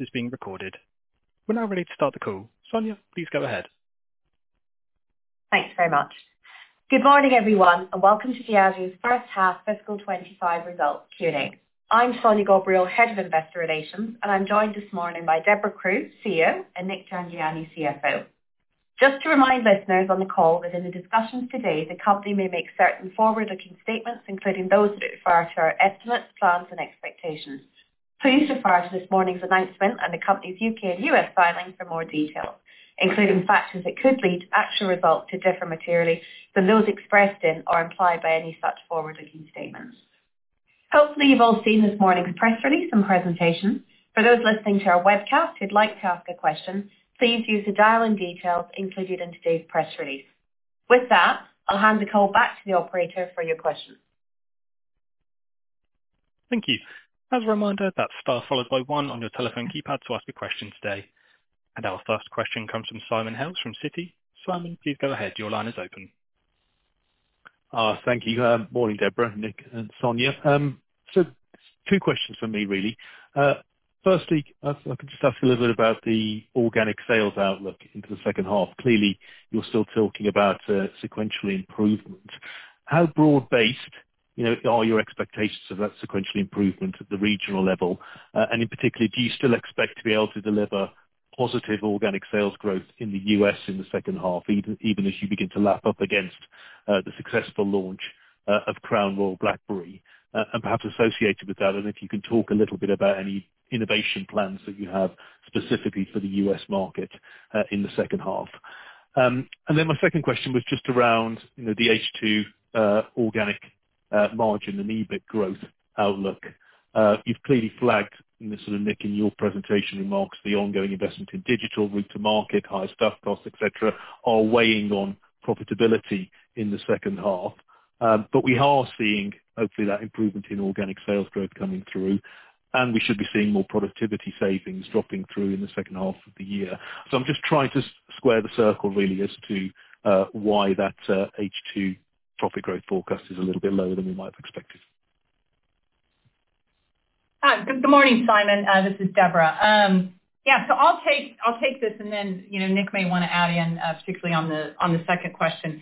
Is being recorded. We're now ready to start the call. Sonya, please go ahead. Thanks very much. Good morning, everyone, and welcome to Diageo's First Half Fiscal 2025 Results Q&A. I'm Sonya Ghobrial, Head of Investor Relations, and I'm joined this morning by Debra Crew, CEO, and Nik Jhangiani, CFO. Just to remind listeners on the call that in the discussions today, the company may make certain forward-looking statements, including those that refer to our estimates, plans, and expectations. Please refer to this morning's announcement and the company's U.K. and U.S. filing for more details, including factors that could lead to actual results that differ materially from those expressed in or implied by any such forward-looking statements. Hopefully, you've all seen this morning's press release and presentation. For those listening to our webcast who'd like to ask a question, please use the dial-in details included in today's press release. With that, I'll hand the call back to the operator for your questions. Thank you. As a reminder, that star followed by one on your telephone keypad to ask a question today, and our first question comes from Simon Hales from Citi. Simon, please go ahead. Your line is open. Thank you. Morning, Debra, Nik, and Sonya. So two questions for me, really. Firstly, I can just ask a little bit about the organic sales outlook into the second half. Clearly, you're still talking about sequential improvement. How broad-based are your expectations of that sequential improvement at the regional level? And in particular, do you still expect to be able to deliver positive organic sales growth in the U.S. in the second half, even as you begin to lap up against the successful launch of Crown Royal Blackberry? And perhaps associated with that, if you can talk a little bit about any innovation plans that you have specifically for the U.S. market in the second half. And then my second question was just around the H2 organic margin and EBIT growth outlook. You've clearly flagged, and this is Nik, in your presentation remarks, the ongoing investment in digital route to market, higher input costs, etc., are weighing on profitability in the second half. But we are seeing, hopefully, that improvement in organic sales growth coming through, and we should be seeing more productivity savings dropping through in the second half of the year. So I'm just trying to square the circle, really, as to why that H2 profit growth forecast is a little bit lower than we might have expected. Good morning, Simon. This is Debra. Yeah, so I'll take this, and then Nik may want to add in, particularly on the second question.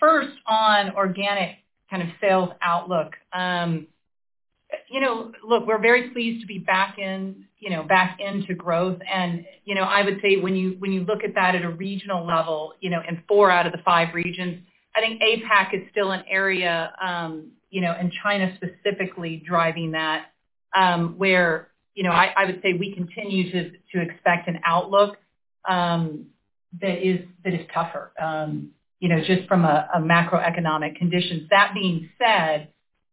First, on organic kind of sales outlook, look, we're very pleased to be back into growth. And I would say when you look at that at a regional level in four out of the five regions, I think APAC is still an area, and China specifically driving that, where I would say we continue to expect an outlook that is tougher just from a macroeconomic condition. That being said,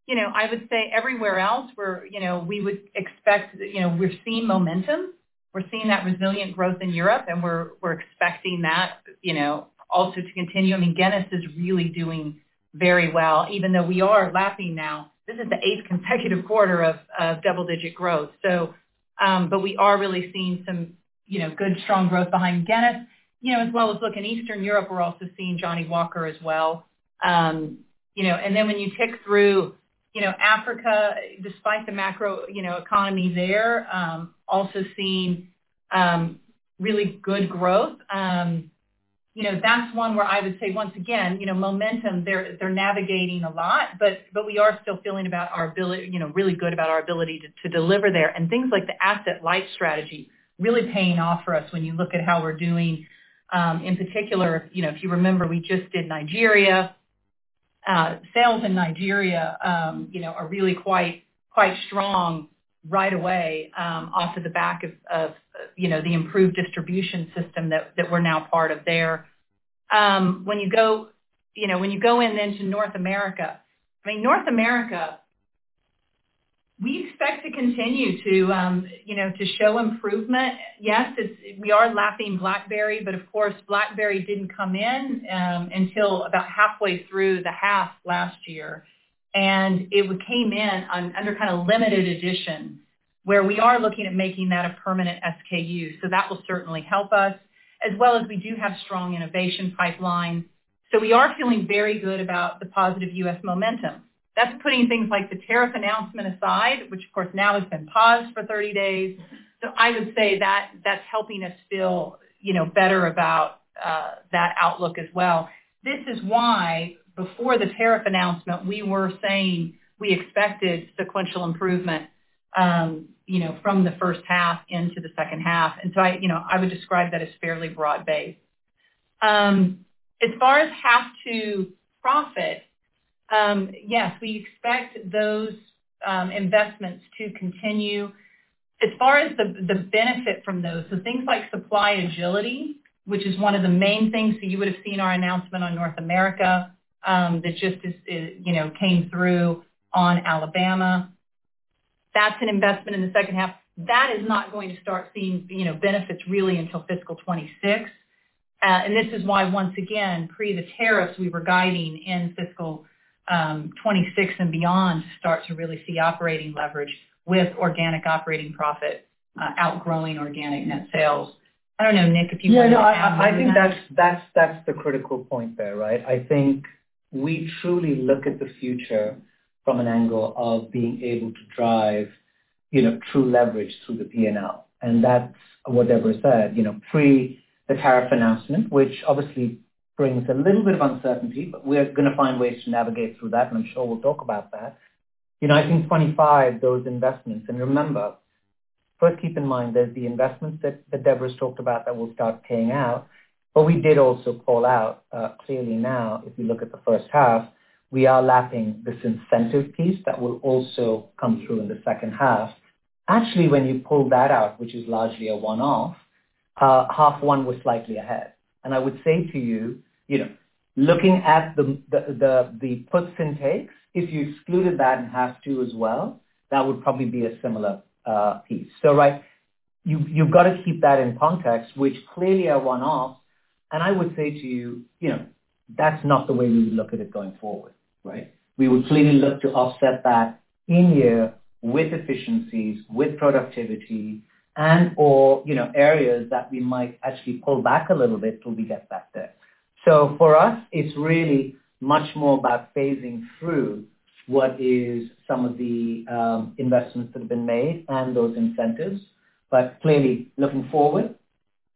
I would say everywhere else we would expect we're seeing momentum. We're seeing that resilient growth in Europe, and we're expecting that also to continue. I mean, Guinness is really doing very well, even though we are lapping now. This is the eighth consecutive quarter of double-digit growth. We are really seeing some good, strong growth behind Guinness, as well as looking Eastern Europe. We're also seeing Johnnie Walker as well. Then when you tick through Africa, despite the macro economy there, also seeing really good growth. That's one where I would say, once again, momentum, they're navigating a lot, but we are still feeling really good about our ability to deliver there. And things like the asset light strategy really paying off for us when you look at how we're doing. In particular, if you remember, we just did Nigeria. Sales in Nigeria are really quite strong right away off of the back of the improved distribution system that we're now part of there. When you go in then to North America, I mean, North America, we expect to continue to show improvement. Yes, we are launching Blackberry, but of course, Blackberry didn't come in until about halfway through the half last year, it came in under kind of limited edition, where we are looking at making that a permanent SKU. So that will certainly help us, as well as we do have strong innovation pipelines. So we are feeling very good about the positive U.S. momentum. That's putting things like the tariff announcement aside, which, of course, now has been paused for 30 days. So I would say that that's helping us feel better about that outlook as well. This is why before the tariff announcement, we were saying we expected sequential improvement from the first half into the second half, so I would describe that as fairly broad-based. As far as half two profit, yes, we expect those investments to continue. As far as the benefit from those, so things like supply agility, which is one of the main things. So you would have seen our announcement on North America that just came through on Alabama. That's an investment in the second half. That is not going to start seeing benefits really until fiscal 2026. And this is why, once again, pre the tariffs, we were guiding in fiscal 2026 and beyond to start to really see operating leverage with organic operating profit, outgrowing organic net sales. I don't know, Nik, if you want to add something. Yeah, no, I think that's the critical point there, right? I think we truly look at the future from an angle of being able to drive true leverage through the P&L. And that's what Debra said. Pre the tariff announcement, which obviously brings a little bit of uncertainty, but we're going to find ways to navigate through that, and I'm sure we'll talk about that. I think 2025, those investments, and remember, first keep in mind there's the investments that Debra's talked about that will start paying out. But we did also call out clearly now, if you look at the first half, we are lapping this incentive piece that will also come through in the second half. Actually, when you pull that out, which is largely a one-off, half one was slightly ahead. And I would say to you, looking at the puts and takes, if you excluded that and half two as well, that would probably be a similar piece. So right, you've got to keep that in context, which clearly a one-off. And I would say to you, that's not the way we would look at it going forward, right? We would clearly look to offset that in year with efficiencies, with productivity, and/or areas that we might actually pull back a little bit till we get back there. So for us, it's really much more about phasing through what is some of the investments that have been made and those incentives. But clearly looking forward,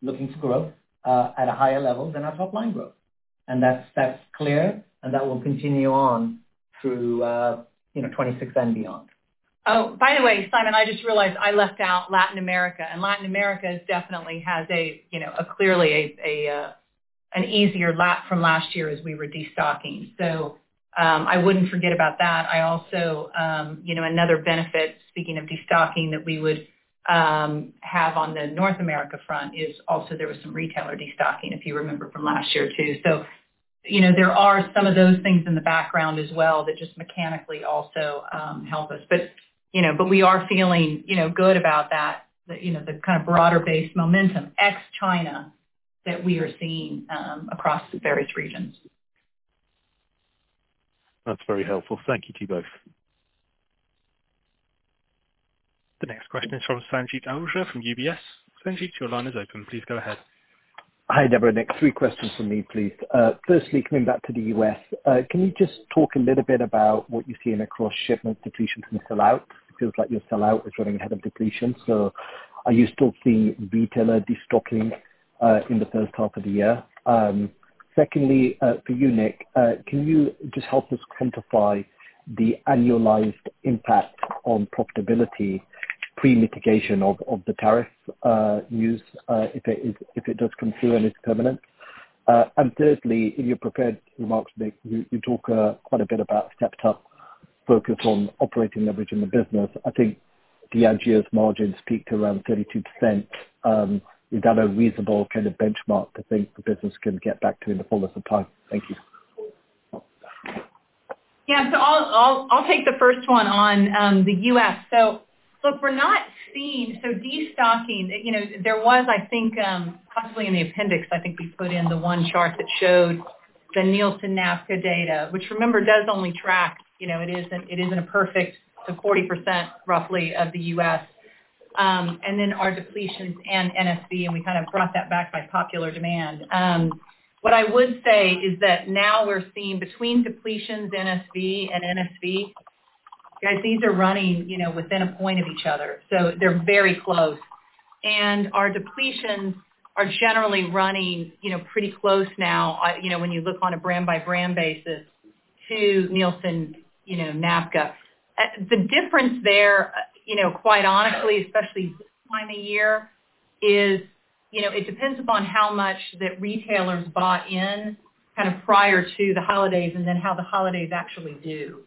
looking to grow at a higher level than our top line growth. And that's clear, and that will continue on through 2026 and beyond. Oh, by the way, Simon, I just realized I left out Latin America. And Latin America definitely has clearly an easier lap from last year as we were destocking. So I wouldn't forget about that. I also, another benefit, speaking of destocking that we would have on the North America front is also there was some retailer destocking, if you remember, from last year too. So there are some of those things in the background as well that just mechanically also help us. But we are feeling good about that, the kind of broader-based momentum ex-China that we are seeing across the various regions. That's very helpful. Thank you to you both. The next question is from Sanjeet Aujla from UBS. Sanjeet, your line is open. Please go ahead. Hi, Debra. Nik, three questions for me, please. Firstly, coming back to the U.S., can you just talk a little bit about what you're seeing across shipments, depletions, and sellouts? It feels like your sellout is running ahead of depletion. So are you still seeing retailer destocking in the first half of the year? Secondly, for you, Nik, can you just help us quantify the annualized impact on profitability, pre-mitigation of the tariff news if it does come through and it's permanent? And thirdly, in your prepared remarks, Nik, you talk quite a bit about stepped-up focus on operating leverage in the business. I think Diageo's margin speaks to around 32%. Is that a reasonable kind of benchmark to think the business can get back to in the fullest supply? Thank you. Yeah, so I'll take the first one on the U.S. So look, we're not seeing so destocking. There was, I think, possibly in the appendix. I think we put in the one chart that showed the Nielsen NABCA data, which remember does only track. It isn't a perfect 40% roughly of the U.S. And then our depletions and NSV, and we kind of brought that back by popular demand. What I would say is that now we're seeing between depletions, NSV and NSV, guys. These are running within a point of each other. So they're very close. And our depletions are generally running pretty close now when you look on a brand-by-brand basis to Nielsen NABCA. The difference there, quite honestly, especially this time of year, is it depends upon how much that retailers bought in kind of prior to the holidays and then how the holidays actually do.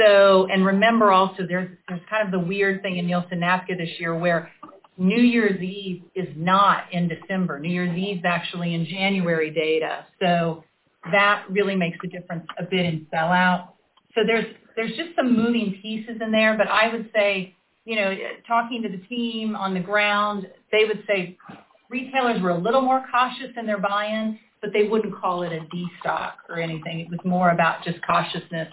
And remember also, there's kind of the weird thing in Nielsen NABCA this year where New Year's Eve is not in December. New Year's Eve is actually in January data. So that really makes the difference a bit in sellout. So there's just some moving pieces in there. But I would say, talking to the team on the ground, they would say retailers were a little more cautious in their buy-in, but they wouldn't call it a destock or anything. It was more about just cautiousness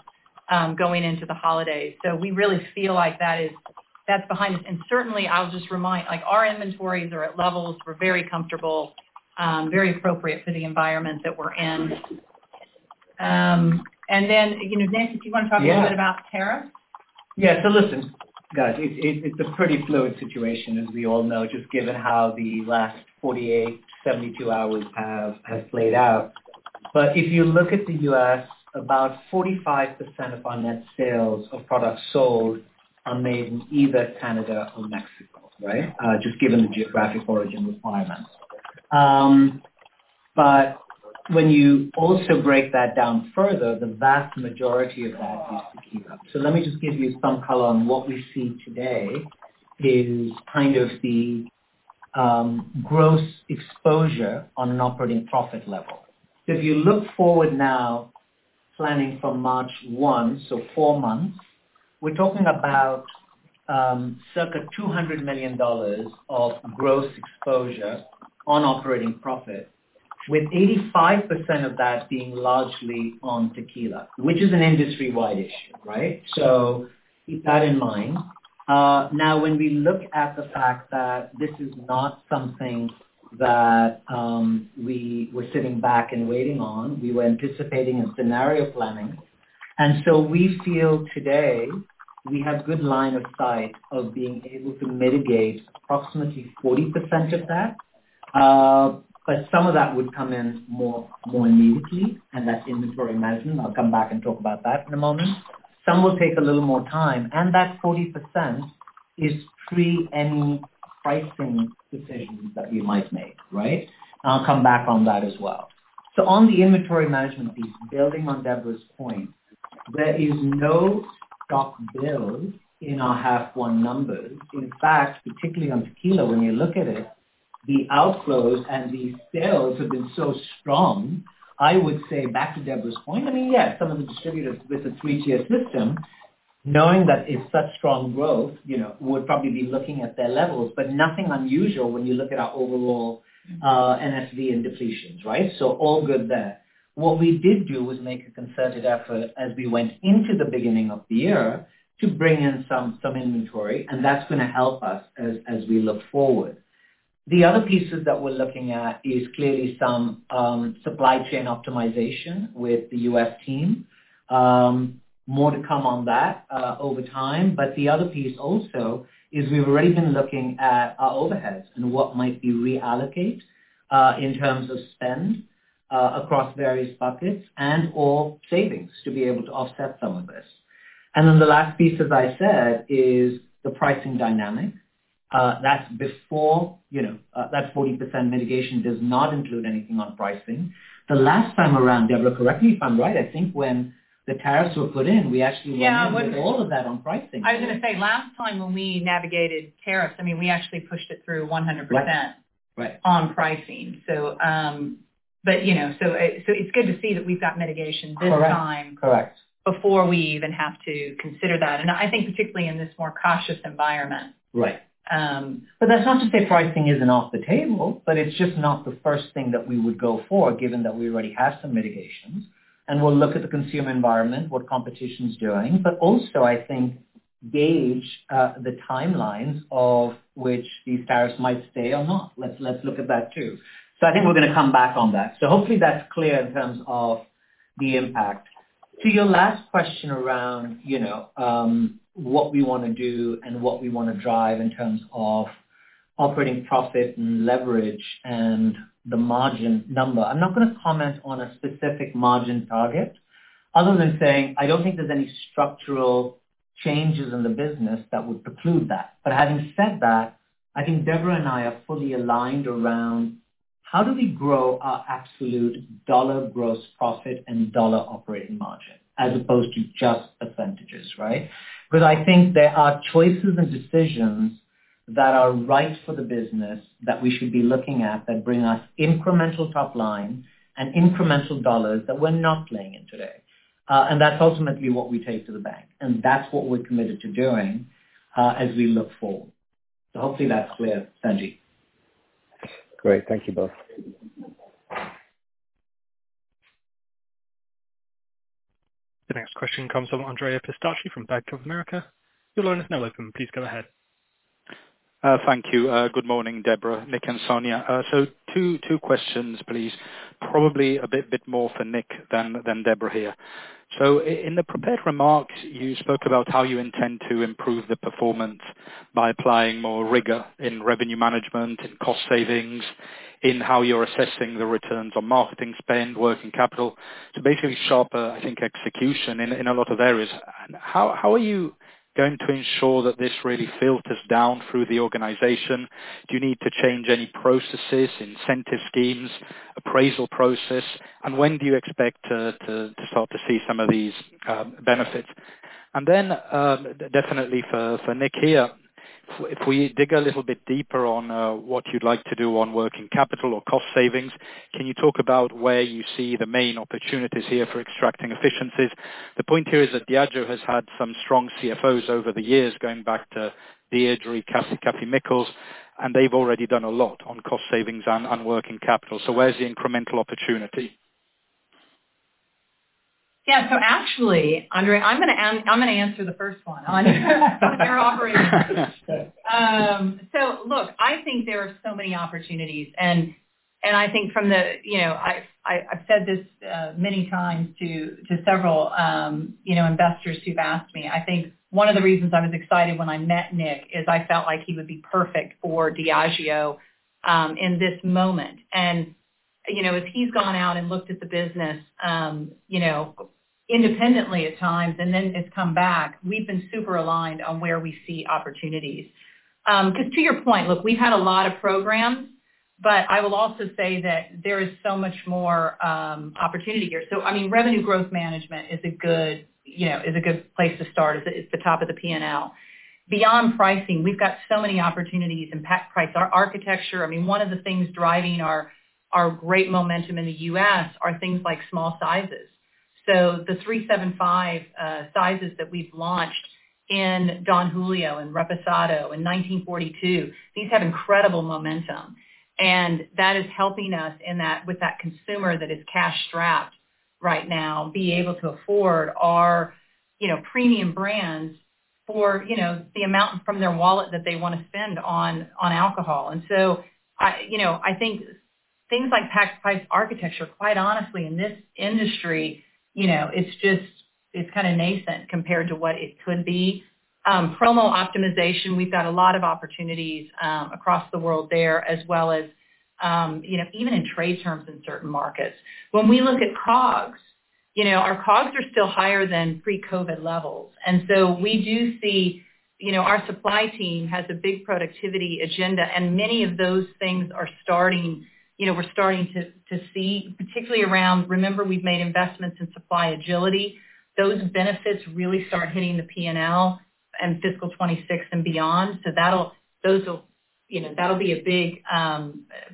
going into the holidays. So we really feel like that's behind us. And certainly, I'll just remind, our inventories are at levels. We're very comfortable, very appropriate for the environment that we're in. And then, Nik, if you want to talk a little bit about tariffs. Yeah, so listen, guys. It's a pretty fluid situation, as we all know, just given how the last 48, 72 hours have played out. But if you look at the U.S., about 45% of our net sales of products sold are made in either Canada or Mexico, right, just given the geographic origin requirements. But when you also break that down further, the vast majority of that is tequila. So let me just give you some color on what we see today is kind of the gross exposure on an operating profit level. So if you look forward now, planning from March 1, so four months, we're talking about circa $200 million of gross exposure on operating profit, with 85% of that being largely on tequila, which is an industry-wide issue, right? So keep that in mind. Now, when we look at the fact that this is not something that we were sitting back and waiting on, we were anticipating and scenario planning. And so we feel today we have good line of sight of being able to mitigate approximately 40% of that. But some of that would come in more immediately, and that's inventory management. I'll come back and talk about that in a moment. Some will take a little more time. And that 40% is pre any pricing decisions that we might make, right? And I'll come back on that as well. So on the inventory management piece, building on Debra's point, there is no stock build in our half one numbers. In fact, particularly on tequila, when you look at it, the outflows and the sales have been so strong, I would say, back to Debra's point, I mean, yes, some of the distributors with a three-tier system, knowing that it's such strong growth, would probably be looking at their levels, but nothing unusual when you look at our overall NSV and depletions, right? So all good there. What we did do was make a concerted effort as we went into the beginning of the year to bring in some inventory, and that's going to help us as we look forward. The other pieces that we're looking at is clearly some supply chain optimization with the U.S. team. More to come on that over time. But the other piece also is we've already been looking at our overheads and what might be reallocate in terms of spend across various buckets and/or savings to be able to offset some of this. And then the last piece, as I said, is the pricing dynamic. That's before that 40% mitigation does not include anything on pricing. The last time around, Debra, correct me if I'm right, I think when the tariffs were put in, we actually went all of that on pricing. I was going to say last time when we navigated tariffs, I mean, we actually pushed it through 100% on pricing. But so it's good to see that we've got mitigation this time before we even have to consider that. And I think particularly in this more cautious environment. Right. But that's not to say pricing isn't off the table, but it's just not the first thing that we would go for, given that we already have some mitigations. And we'll look at the consumer environment, what competition's doing. But also, I think, gauge the timelines of which these tariffs might stay or not. Let's look at that too. So I think we're going to come back on that. So hopefully that's clear in terms of the impact. To your last question around what we want to do and what we want to drive in terms of operating profit and leverage and the margin number, I'm not going to comment on a specific margin target other than saying I don't think there's any structural changes in the business that would preclude that. But having said that, I think Debra and I are fully aligned around how do we grow our absolute dollar gross profit and dollar operating margin as opposed to just percentages, right? Because I think there are choices and decisions that are right for the business that we should be looking at that bring us incremental top line and incremental dollars that we're not playing in today. And that's ultimately what we take to the bank. And that's what we're committed to doing as we look forward. So hopefully that's clear, Sanjeet. Great. Thank you both. The next question comes from Andrea Pistacchi from Bank of America. Your line is now open. Please go ahead. Thank you. Good morning, Debra, Nik, and Sonya. So two questions, please. Probably a bit more for Nik than Debra here. So in the prepared remarks, you spoke about how you intend to improve the performance by applying more rigor in revenue management, in cost savings, in how you're assessing the returns on marketing spend, working capital. So basically sharper, I think, execution in a lot of areas. How are you going to ensure that this really filters down through the organization? Do you need to change any processes, incentive schemes, appraisal process? And when do you expect to start to see some of these benefits? And then definitely for Nik here, if we dig a little bit deeper on what you'd like to do on working capital or cost savings, can you talk about where you see the main opportunities here for extracting efficiencies? The point here is that Diageo has had some strong CFOs over the years, going back to Deirdre, Kathryn Mikells, and they've already done a lot on cost savings and working capital. So where's the incremental opportunity? Yeah, so actually, Andrea, I'm going to answer the first one on their operating margins. So look, I think there are so many opportunities. And I think, I've said this many times to several investors who've asked me. I think one of the reasons I was excited when I met Nik is I felt like he would be perfect for Diageo in this moment. And as he's gone out and looked at the business independently at times and then has come back, we've been super aligned on where we see opportunities. Because to your point, look, we've had a lot of programs, but I will also say that there is so much more opportunity here. So I mean, revenue growth management is a good place to start. It's the top of the P&L. Beyond pricing, we've got so many opportunities in pack price. Our pack architecture, I mean, one of the things driving our great momentum in the U.S. are things like small sizes. So the 375 sizes that we've launched in Don Julio and Reposado in 1942, these have incredible momentum. And that is helping us with that consumer that is cash-strapped right now be able to afford our premium brands for the amount from their wallet that they want to spend on alcohol. And so I think things like pack-price architecture, quite honestly, in this industry, it's just kind of nascent compared to what it could be. Promo optimization, we've got a lot of opportunities across the world there, as well as even in trade terms in certain markets. When we look at COGS, our COGS are still higher than pre-COVID levels. And so we do see our supply team has a big productivity agenda, and many of those things are starting to see, particularly around, remember, we've made investments in supply agility. Those benefits really start hitting the P&L and fiscal 2026 and beyond. So that'll be a big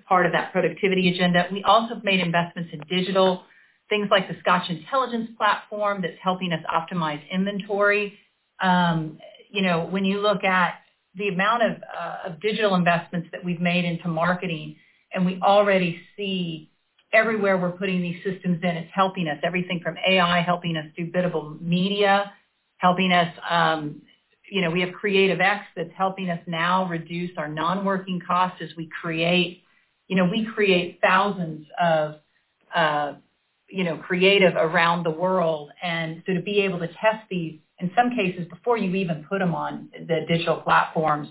part of that productivity agenda. We also have made investments in digital, things like the Scotch Intelligence Platform that's helping us optimize inventory. When you look at the amount of digital investments that we've made into marketing, and we already see everywhere we're putting these systems in, it's helping us. Everything from AI helping us do biddable media, helping us. We have CreativeX that's helping us now reduce our non-working costs as we create. We create thousands of creatives around the world. And so to be able to test these, in some cases, before you even put them on the digital platforms.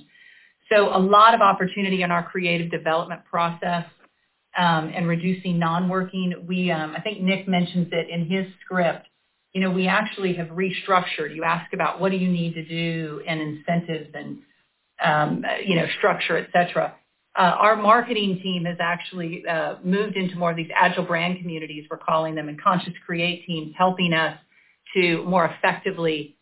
So a lot of opportunity in our creative development process and reducing non-working. I think Nik mentioned that in his script. We actually have restructured. You ask about what do you need to do and incentives and structure, etc. Our marketing team has actually moved into more of these agile brand communities. We're calling them Conscious Create teams, helping us to more effectively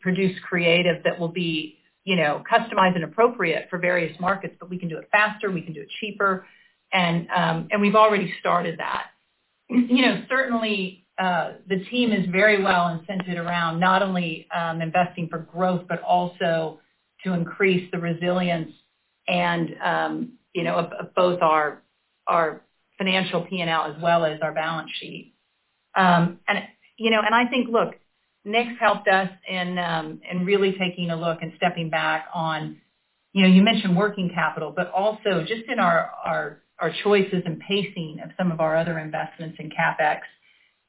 produce creative that will be customized and appropriate for various markets, but we can do it faster. We can do it cheaper. And we've already started that. Certainly, the team is very well incented around not only investing for growth, but also to increase the resilience of both our financial P&L as well as our balance sheet. And I think, look, Nik's helped us in really taking a look and stepping back on you mentioned working capital, but also just in our choices and pacing of some of our other investments in CapEx.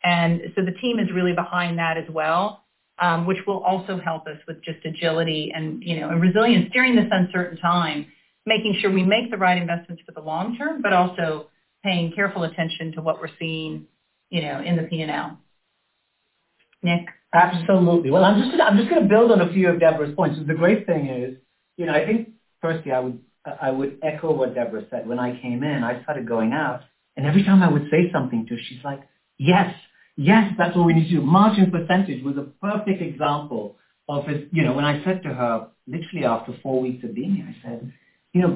And so the team is really behind that as well, which will also help us with just agility and resilience during this uncertain time, making sure we make the right investments for the long term, but also paying careful attention to what we're seeing in the P&L. Nik. Absolutely. Well, I'm just going to build on a few of Debra's points. The great thing is, I think, firstly, I would echo what Debra said. When I came in, I started going out, and every time I would say something to her, she's like, "Yes, yes, that's what we need to do." Margin percentage was a perfect example of when I said to her, literally after four weeks of being here, I said,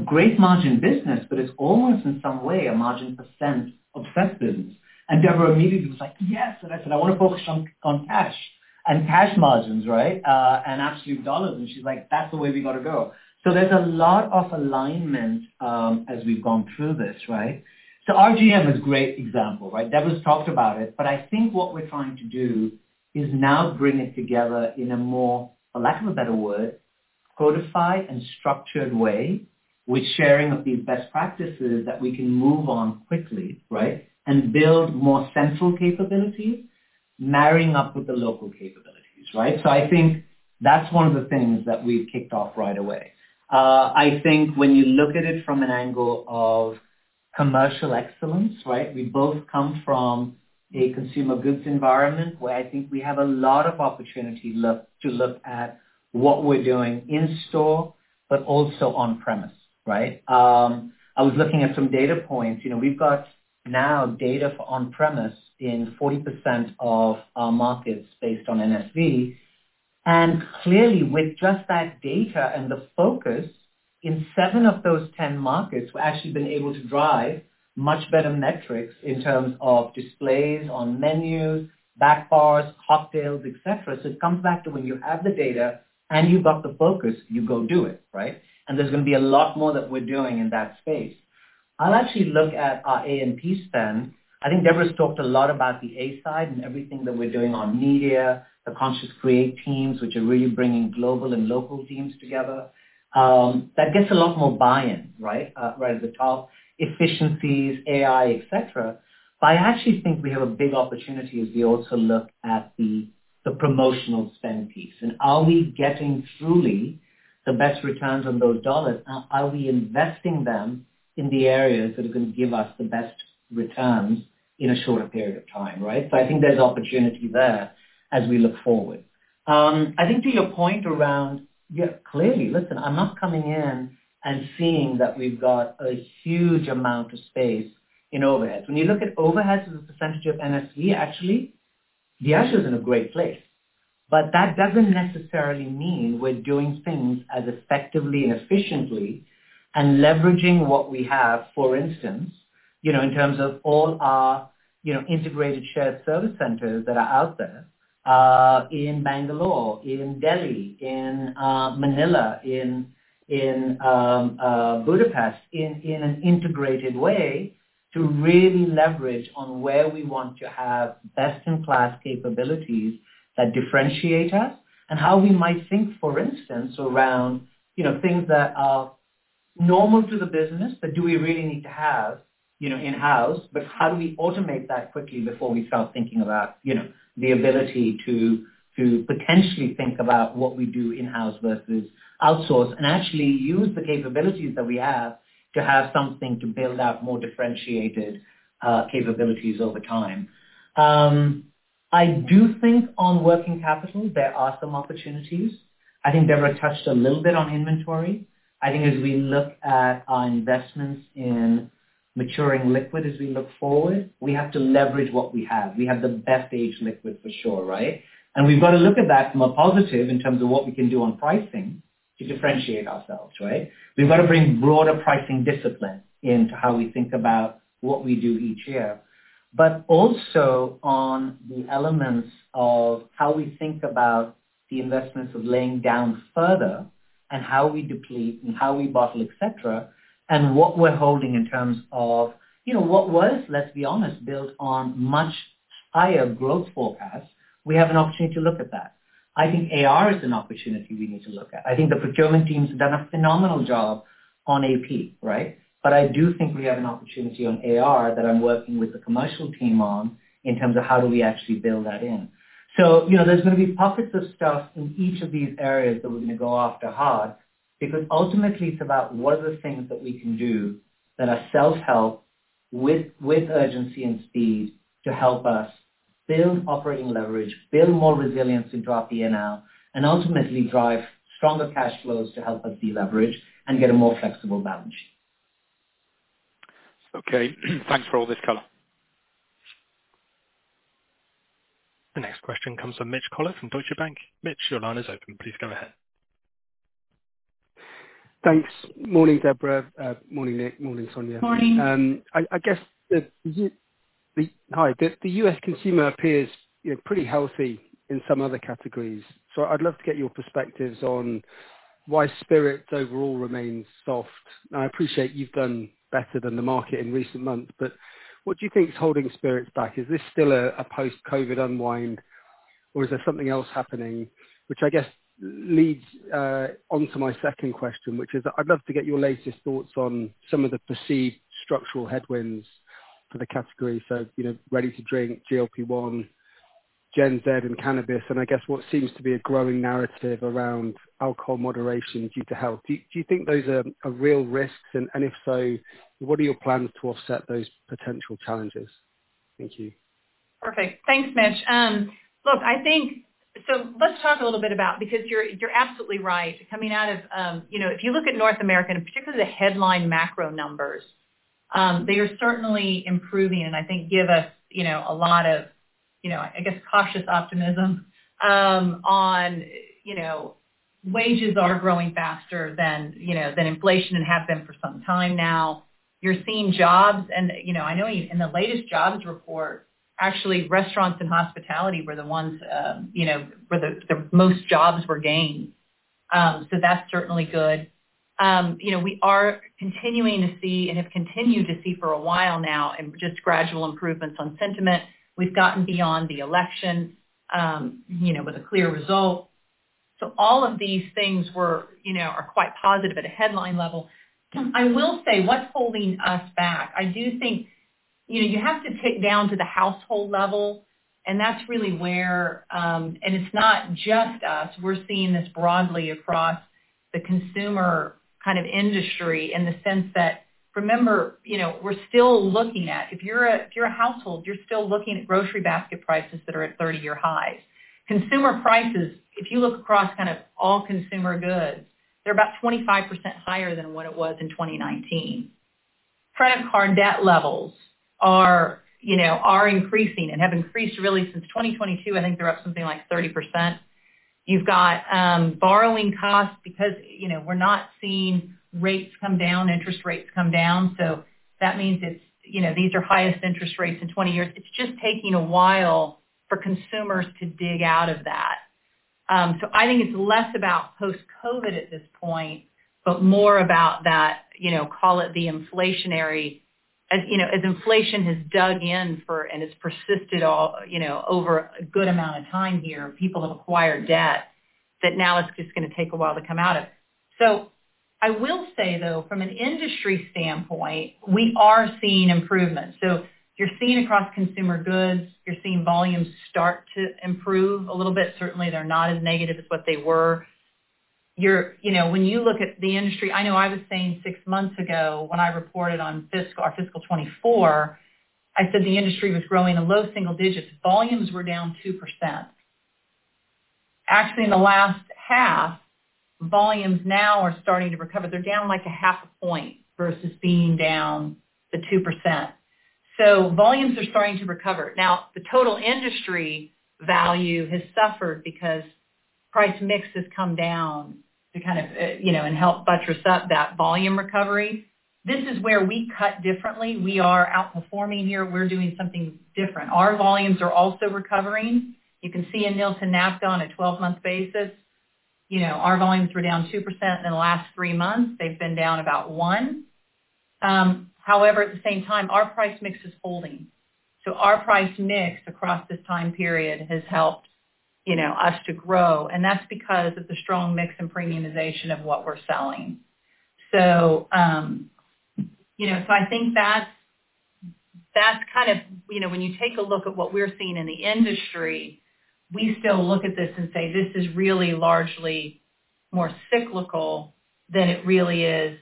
"Great margin business, but it's almost in some way a margin percent of set business." And Debra immediately was like, "Yes." And I said, "I want to focus on cash and cash margins, right, and absolute dollars." And she's like, "That's the way we got to go." So there's a lot of alignment as we've gone through this, right? So RGM is a great example, right? Debra's talked about it. But I think what we're trying to do is now bring it together in a more, for lack of a better word, codified and structured way with sharing of these best practices that we can move on quickly, right, and build more central capabilities, marrying up with the local capabilities, right? So I think that's one of the things that we've kicked off right away. I think when you look at it from an angle of commercial excellence, right, we both come from a consumer goods environment where I think we have a lot of opportunity to look at what we're doing in store, but also on-premise, right? I was looking at some data points. We've got now data for on-premise in 40% of our markets based on NSV. And clearly, with just that data and the focus in seven of those 10 markets, we've actually been able to drive much better metrics in terms of displays on menus, back bars, cocktails, etc. So it comes back to when you have the data and you've got the focus, you go do it, right? And there's going to be a lot more that we're doing in that space. I'll actually look at our A&P spend. I think Debra's talked a lot about the A side and everything that we're doing on media, the Conscious Create teams, which are really bringing global and local teams together. That gets a lot more buy-in, right, right at the top, efficiencies, AI, etc. But I actually think we have a big opportunity as we also look at the promotional spend piece. And are we getting truly the best returns on those dollars? Are we investing them in the areas that are going to give us the best returns in a shorter period of time, right? So I think there's opportunity there as we look forward. I think to your point around, yeah, clearly, listen, I'm not coming in and seeing that we've got a huge amount of space in overheads. When you look at overheads as a percentage of NSV, actually, Diageo is in a great place. But that doesn't necessarily mean we're doing things as effectively and efficiently and leveraging what we have, for instance, in terms of all our integrated shared service centers that are out there in Bangalore, in Delhi, in Manila, in Budapest, in an integrated way to really leverage on where we want to have best-in-class capabilities that differentiate us and how we might think, for instance, around things that are normal to the business, but do we really need to have in-house? But how do we automate that quickly before we start thinking about the ability to potentially think about what we do in-house versus outsource and actually use the capabilities that we have to have something to build out more differentiated capabilities over time? I do think on working capital, there are some opportunities. I think Debra touched a little bit on inventory. I think as we look at our investments in maturing liquid, as we look forward, we have to leverage what we have. We have the best-aged liquid for sure, right? And we've got to look at that from a positive in terms of what we can do on pricing to differentiate ourselves, right? We've got to bring broader pricing discipline into how we think about what we do each year. But also on the elements of how we think about the investments of laying down further and how we deplete and how we bottle, etc., and what we're holding in terms of what was, let's be honest, built on much higher growth forecasts, we have an opportunity to look at that. I think AR is an opportunity we need to look at. I think the procurement teams have done a phenomenal job on AP, right? But I do think we have an opportunity on AR that I'm working with the commercial team on in terms of how do we actually build that in. So there's going to be pockets of stuff in each of these areas that we're going to go after hard because ultimately, it's about what are the things that we can do that are self-help with urgency and speed to help us build operating leverage, build more resilience into our P&L, and ultimately drive stronger cash flows to help us deleverage and get a more flexible balance sheet. Okay. Thanks for all this color. The next question comes from Mitch Collett from Deutsche Bank. Mitch, your line is open. Please go ahead. Thanks. Morning, Debra. Morning, Nik. Morning, Sonya. Morning. I guess, hi, the U.S. consumer appears pretty healthy in some other categories. So I'd love to get your perspectives on why spirits overall remain soft. And I appreciate you've done better than the market in recent months, but what do you think is holding spirits back? Is this still a post-COVID unwind, or is there something else happening, which I guess leads on to my second question, which is I'd love to get your latest thoughts on some of the perceived structural headwinds for the category. So ready-to-drink, GLP-1, Gen Z, and cannabis, and I guess what seems to be a growing narrative around alcohol moderation due to health. Do you think those are real risks? And if so, what are your plans to offset those potential challenges? Thank you. Perfect. Thanks, Mitch. Look, I think. So let's talk a little bit about because you're absolutely right. Coming out of, if you look at North America and particularly the headline macro numbers, they are certainly improving, and I think give us a lot of, I guess, cautious optimism on wages are growing faster than inflation and have been for some time now. You're seeing jobs, and I know in the latest jobs report, actually, restaurants and hospitality were the ones where the most jobs were gained. So that's certainly good. We are continuing to see and have continued to see for a while now, and just gradual improvements on sentiment. We've gotten beyond the election with a clear result. So all of these things are quite positive at a headline level. I will say what's holding us back. I do think you have to take down to the household level, and that's really where and it's not just us. We're seeing this broadly across the consumer kind of industry in the sense that, remember, we're still looking at if you're a household, you're still looking at grocery basket prices that are at 30-year highs. Consumer prices, if you look across kind of all consumer goods, they're about 25% higher than what it was in 2019. Credit card debt levels are increasing and have increased really since 2022. I think they're up something like 30%. You've got borrowing costs because we're not seeing rates come down, interest rates come down. So that means these are highest interest rates in 20 years. It's just taking a while for consumers to dig out of that. I think it's less about post-COVID at this point, but more about that, call it the inflationary. As inflation has dug in for and has persisted over a good amount of time here, people have acquired debt that now it's just going to take a while to come out of. So I will say, though, from an industry standpoint, we are seeing improvements. So you're seeing across consumer goods, you're seeing volumes start to improve a little bit. Certainly, they're not as negative as what they were. When you look at the industry, I know I was saying six months ago when I reported on our fiscal 2024, I said the industry was growing in low single digits. Volumes were down 2%. Actually, in the last half, volumes now are starting to recover. They're down like a 0.5 point versus being down 2%. Volumes are starting to recover. Now, the total industry value has suffered because price mix has come down to kind of and help buttress up that volume recovery. This is where we cut differently. We are outperforming here. We're doing something different. Our volumes are also recovering. You can see in Nielsen NABCA on a 12-month basis, our volumes were down 2% in the last three months. They've been down about 1%. However, at the same time, our price mix is holding. Our price mix across this time period has helped us to grow. That's because of the strong mix and premiumization of what we're selling. So, I think that's kind of when you take a look at what we're seeing in the industry. We still look at this and say, "This is really largely more cyclical than it really is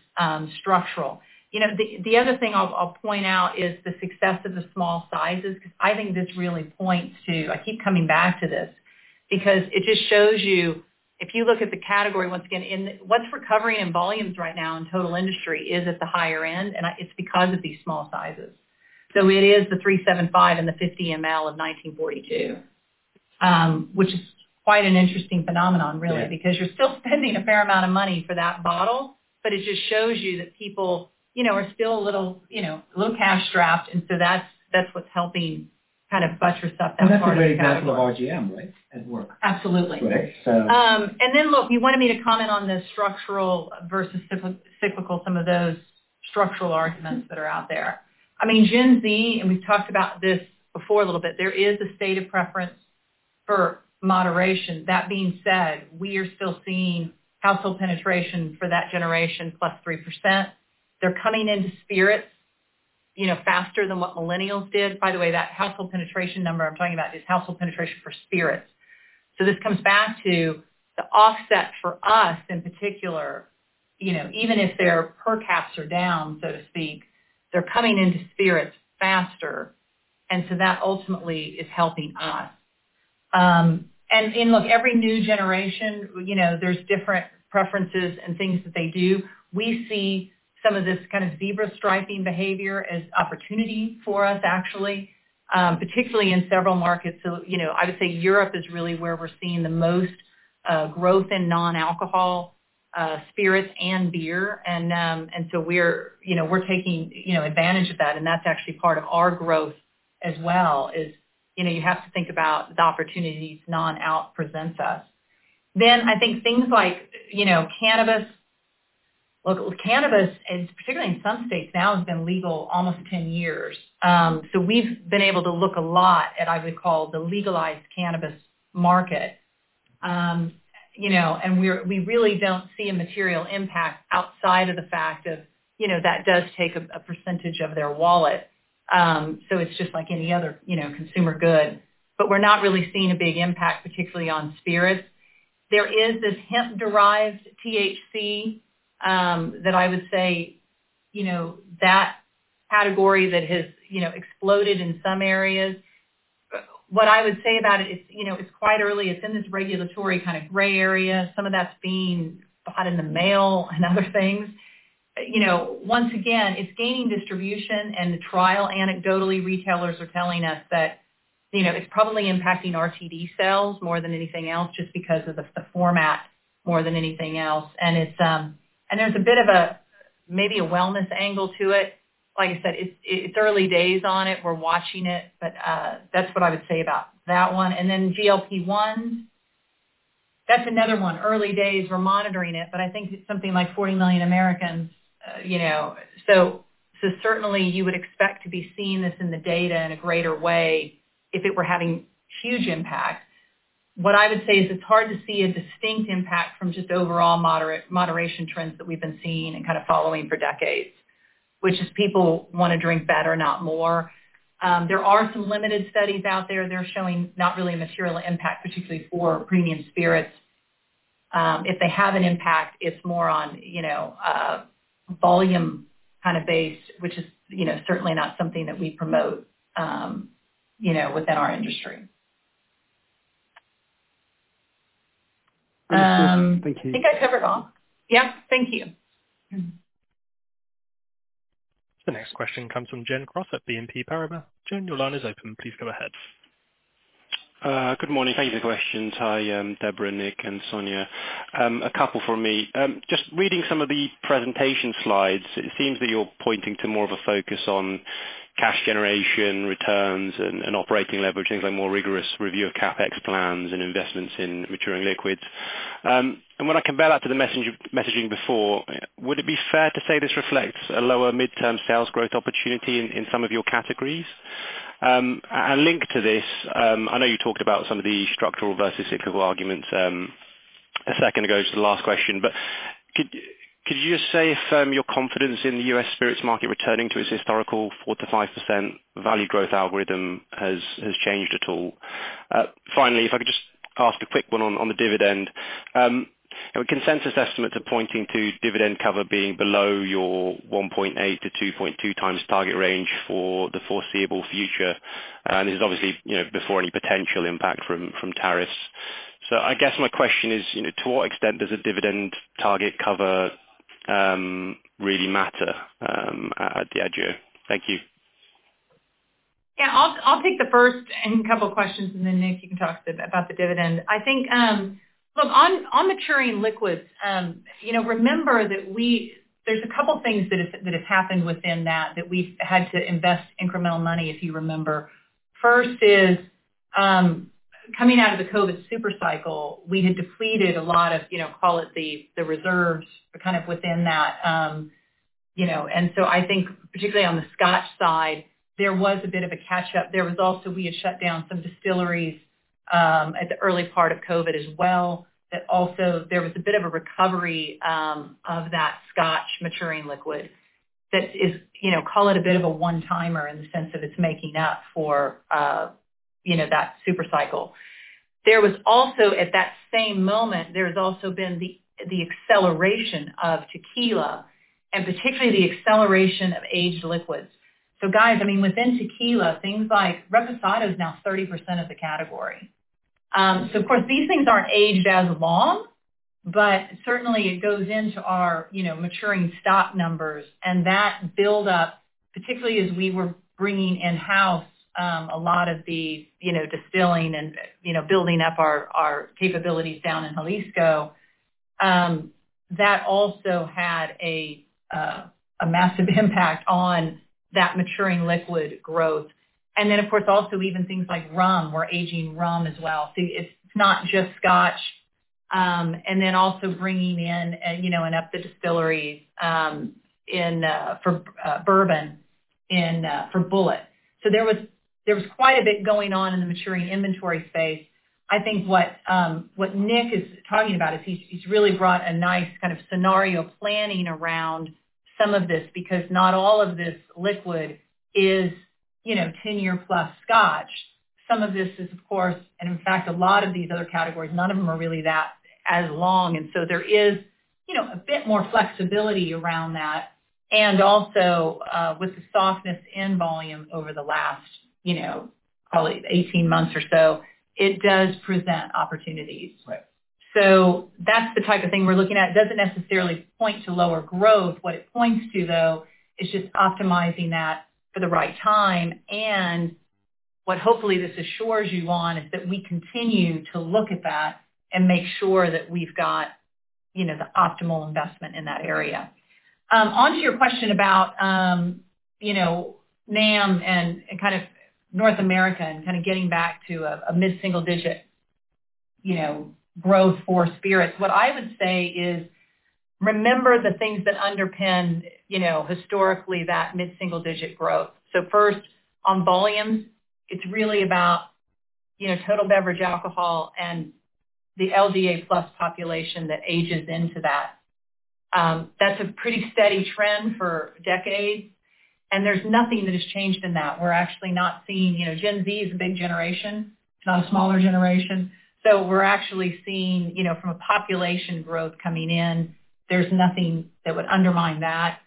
structural." The other thing I'll point out is the success of the small sizes because I think this really points to. I keep coming back to this because it just shows you if you look at the category, once again, what's recovering in volumes right now in total industry is at the higher end, and it's because of these small sizes. So it is the 375 ml and the 50 ml of 1942, which is quite an interesting phenomenon, really, because you're still spending a fair amount of money for that bottle, but it just shows you that people are still a little cash strapped. And so that's what's helping kind of buttress up that margin. That's a great example of RGM, right, at work. Absolutely. And then, look, you wanted me to comment on the structural versus cyclical, some of those structural arguments that are out there. I mean, Gen Z, and we've talked about this before a little bit, there is a state of preference for moderation. That being said, we are still seeing household penetration for that generation plus 3%. They're coming into spirits faster than what millennials did. By the way, that household penetration number I'm talking about is household penetration for spirits. So this comes back to the offset for us in particular, even if their per caps are down, so to speak, they're coming into spirits faster. And so that ultimately is helping us. And look, every new generation, there's different preferences and things that they do. We see some of this kind of zebra striping behavior as opportunity for us, actually, particularly in several markets. I would say Europe is really where we're seeing the most growth in non-alcohol spirits and beer. We're taking advantage of that. That's actually part of our growth as well. You have to think about the opportunities non-alc presents us. I think things like cannabis. Look, cannabis, particularly in some states now, has been legal almost 10 years. We've been able to look a lot at, I would call, the legalized cannabis market. We really don't see a material impact outside of the fact that that does take a percentage of their wallet. It's just like any other consumer good. We're not really seeing a big impact, particularly on spirits. There is this hemp-derived THC that, I would say, that category has exploded in some areas. What I would say about it, it's quite early. It's in this regulatory kind of gray area. Some of that's being bought in the mail and other things. Once again, it's gaining distribution, and the trial, anecdotally, retailers are telling us that it's probably impacting RTD sales more than anything else just because of the format more than anything else, and there's a bit of a maybe a wellness angle to it. Like I said, it's early days on it. We're watching it, but that's what I would say about that one, and then GLP-1, that's another one. Early days. We're monitoring it, but I think it's something like 40 million Americans, so certainly, you would expect to be seeing this in the data in a greater way if it were having huge impact. What I would say is it's hard to see a distinct impact from just overall moderation trends that we've been seeing and kind of following for decades, which is people want to drink better, not more. There are some limited studies out there. They're showing not really a material impact, particularly for premium spirits. If they have an impact, it's more on volume kind of base, which is certainly not something that we promote within our industry. Thank you. I think I covered all. Yeah. Thank you. The next question comes from Gen Cross at BNP Paribas. Gen, your line is open. Please go ahead. Good morning. Thank you for the questions. Hi, Debra, Nik, and Sonya. A couple from me. Just reading some of the presentation slides, it seems that you're pointing to more of a focus on cash generation, returns, and operating leverage, things like more rigorous review of CapEx plans and investments in maturing liquids, and when I compare that to the messaging before, would it be fair to say this reflects a lower midterm sales growth opportunity in some of your categories? Linked to this, I know you talked about some of the structural versus cyclical arguments a second ago to the last question, but could you just say if your confidence in the U.S. spirits market returning to its historical 4%-5% value growth algorithm has changed at all? Finally, if I could just ask a quick one on the dividend. Consensus estimates are pointing to dividend cover being below your 1.8x-2.2x target range for the foreseeable future, and this is obviously before any potential impact from tariffs, so I guess my question is, to what extent does a dividend target cover really matter at Diageo? Thank you. Yeah. I'll take the first couple of questions, and then, Nik, you can talk about the dividend. I think, look, on maturing liquids, remember that there's a couple of things that have happened within that that we've had to invest incremental money, if you remember. First is coming out of the COVID supercycle, we had depleted a lot of, call it the reserves, kind of within that. And so I think, particularly on the Scotch side, there was a bit of a catch-up. There was also we had shut down some distilleries at the early part of COVID as well. But also, there was a bit of a recovery of that Scotch maturing liquid that is, call it a bit of a one-timer in the sense of it's making up for that supercycle. There was also, at that same moment, there has also been the acceleration of tequila and particularly the acceleration of aged liquids. So, guys, I mean, within tequila, things like Reposado is now 30% of the category. So, of course, these things aren't aged as long, but certainly, it goes into our maturing stock numbers. And that build-up, particularly as we were bringing in-house a lot of the distilling and building up our capabilities down in Jalisco, that also had a massive impact on that maturing liquid growth. And then, of course, also even things like rum were aging rum as well. So it's not just Scotch. And then also bringing in and up the distilleries in bourbon for Bulleit. So there was quite a bit going on in the maturing inventory space. I think what Nik is talking about is he's really brought a nice kind of scenario planning around some of this because not all of this liquid is 10-year plus Scotch. Some of this is, of course, and in fact, a lot of these other categories, none of them are really that as long. And so there is a bit more flexibility around that. And also, with the softness in volume over the last, call it, 18 months or so, it does present opportunities. So that's the type of thing we're looking at. It doesn't necessarily point to lower growth. What it points to, though, is just optimizing that for the right time. And what hopefully this assures you on is that we continue to look at that and make sure that we've got the optimal investment in that area. Onto your question about NAM and kind of North America and kind of getting back to a mid-single-digit growth for spirits, what I would say is remember the things that underpin, historically, that mid-single-digit growth. So first, on volumes, it's really about total beverage alcohol and the LDA-plus population that ages into that. That's a pretty steady trend for decades. And there's nothing that has changed in that. We're actually not seeing Gen Z is a big generation. It's not a smaller generation. So we're actually seeing, from a population growth coming in, there's nothing that would undermine that.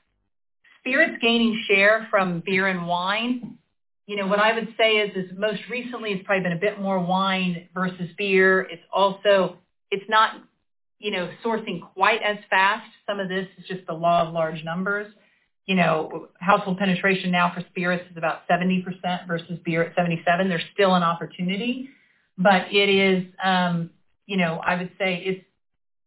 Spirits gaining share from beer and wine. What I would say is, most recently, it's probably been a bit more wine versus beer. It's not surging quite as fast. Some of this is just the law of large numbers. Household penetration now for spirits is about 70% versus beer at 77%. There's still an opportunity, but it is, I would say,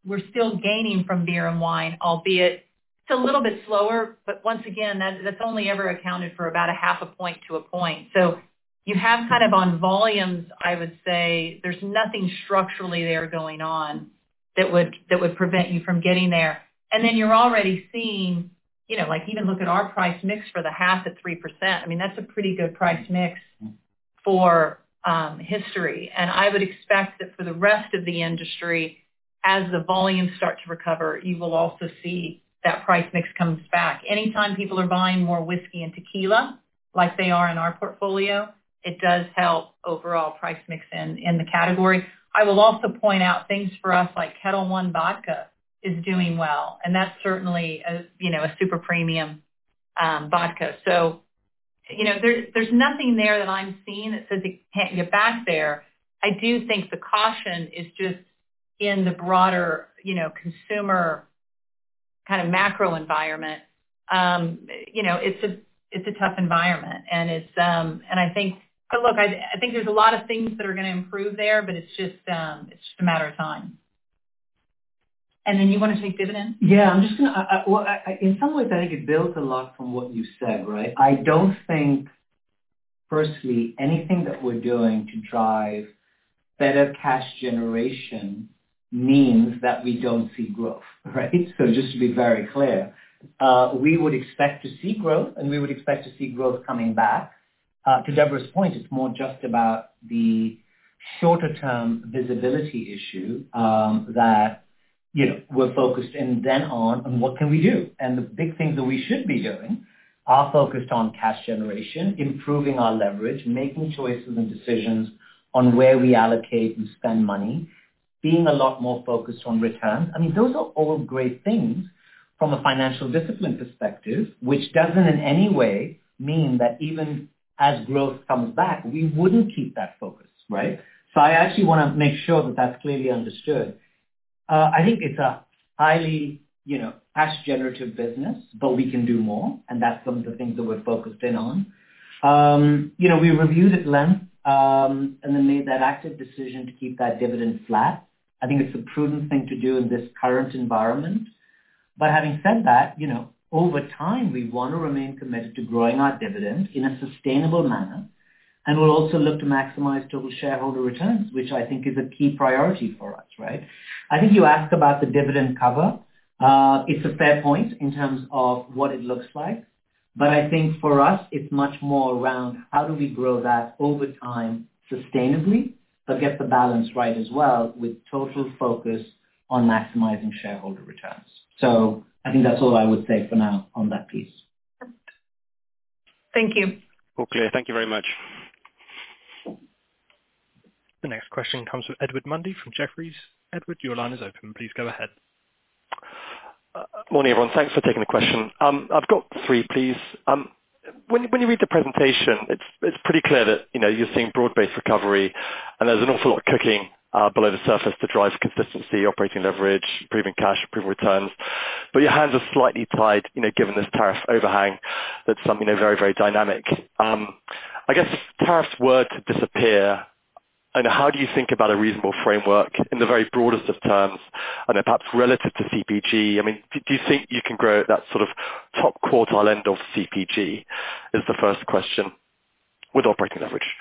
we're still gaining from beer and wine, albeit it's a little bit slower. But once again, that's only ever accounted for about 0.5 point-1 point, so you have kind of on volumes, I would say, there's nothing structurally there going on that would prevent you from getting there, and then you're already seeing even look at our price mix for the half at 3%. I mean, that's a pretty good price mix for history, and I would expect that for the rest of the industry, as the volumes start to recover, you will also see that price mix comes back. Anytime people are buying more whiskey and tequila like they are in our portfolio, it does help overall price mix in the category. I will also point out things for us like Ketel One Vodka is doing well. And that's certainly a super-premium vodka. So there's nothing there that I'm seeing that says it can't get back there. I do think the caution is just in the broader consumer kind of macro environment. It's a tough environment. And I think, look, I think there's a lot of things that are going to improve there, but it's just a matter of time. And then you want to take dividends? Yeah. I'm just going to, well, in some ways, I think it builds a lot from what you said, right? I don't think, personally, anything that we're doing to drive better cash generation means that we don't see growth, right? So just to be very clear, we would expect to see growth, and we would expect to see growth coming back. To Debra's point, it's more just about the shorter-term visibility issue that we're focused in then on and what can we do. And the big things that we should be doing are focused on cash generation, improving our leverage, making choices and decisions on where we allocate and spend money, being a lot more focused on returns. I mean, those are all great things from a financial discipline perspective, which doesn't in any way mean that even as growth comes back, we wouldn't keep that focus, right? So I actually want to make sure that that's clearly understood. I think it's a highly cash-generative business, but we can do more. And that's some of the things that we're focused in on. We reviewed at length and then made that active decision to keep that dividend flat. I think it's a prudent thing to do in this current environment. But having said that, over time, we want to remain committed to growing our dividend in a sustainable manner. And we'll also look to maximize total shareholder returns, which I think is a key priority for us, right? I think you asked about the dividend cover. It's a fair point in terms of what it looks like. But I think for us, it's much more around how do we grow that over time sustainably but get the balance right as well with total focus on maximizing shareholder returns. So I think that's all I would say for now on that piece. Thank you. All clear. Thank you very much. The next question comes from Edward Mundy from Jefferies. Edward, your line is open. Please go ahead. Morning, everyone. Thanks for taking the question. I've got three, please. When you read the presentation, it's pretty clear that you're seeing broad-based recovery. And there's an awful lot of cooking below the surface to drive consistency, operating leverage, improving cash, improving returns. But your hands are slightly tied given this tariff overhang that's something very, very dynamic. I guess if tariffs were to disappear, how do you think about a reasonable framework in the very broadest of terms, perhaps relative to CPG? I mean, do you think you can grow at that sort of top quartile end of CPG is the first question with operating leverage.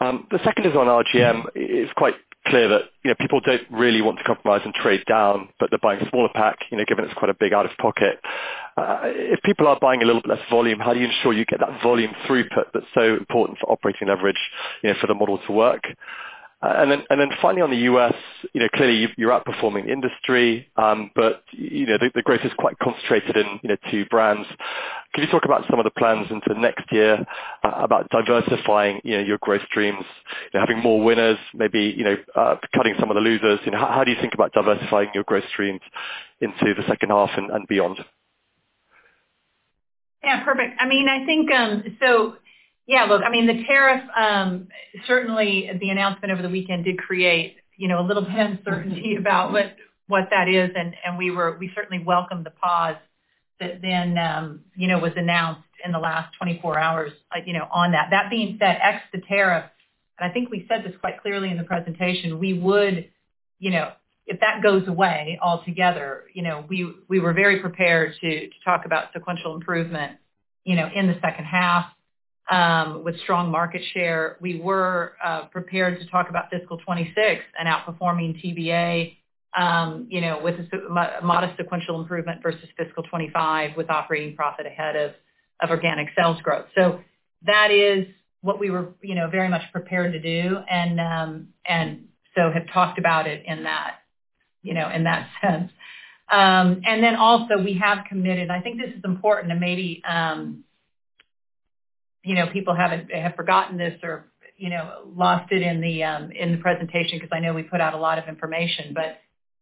The second is on RGM. It's quite clear that people don't really want to compromise and trade down, but they're buying a smaller pack given it's quite a big out-of-pocket. If people are buying a little bit less volume, how do you ensure you get that volume throughput that's so important for operating leverage for the model to work? And then finally, on the U.S., clearly, you're outperforming the industry, but the growth is quite concentrated in two brands. Can you talk about some of the plans into next year about diversifying your growth streams, having more winners, maybe cutting some of the losers? How do you think about diversifying your growth streams into the second half and beyond? Yeah. Perfect. I mean, I think so, yeah, look, I mean, the tariff, certainly, the announcement over the weekend did create a little bit of uncertainty about what that is. And we certainly welcome the pause that then was announced in the last 24 hours on that. That being said, ex the tariff, and I think we said this quite clearly in the presentation, we would, if that goes away altogether, we were very prepared to talk about sequential improvement in the second half with strong market share. We were prepared to talk about fiscal 2026 and outperforming TBA with a modest sequential improvement versus fiscal 2025 with operating profit ahead of organic sales growth. So that is what we were very much prepared to do and so have talked about it in that sense. We have committed, and I think this is important, and maybe people have forgotten this or lost it in the presentation because I know we put out a lot of information. But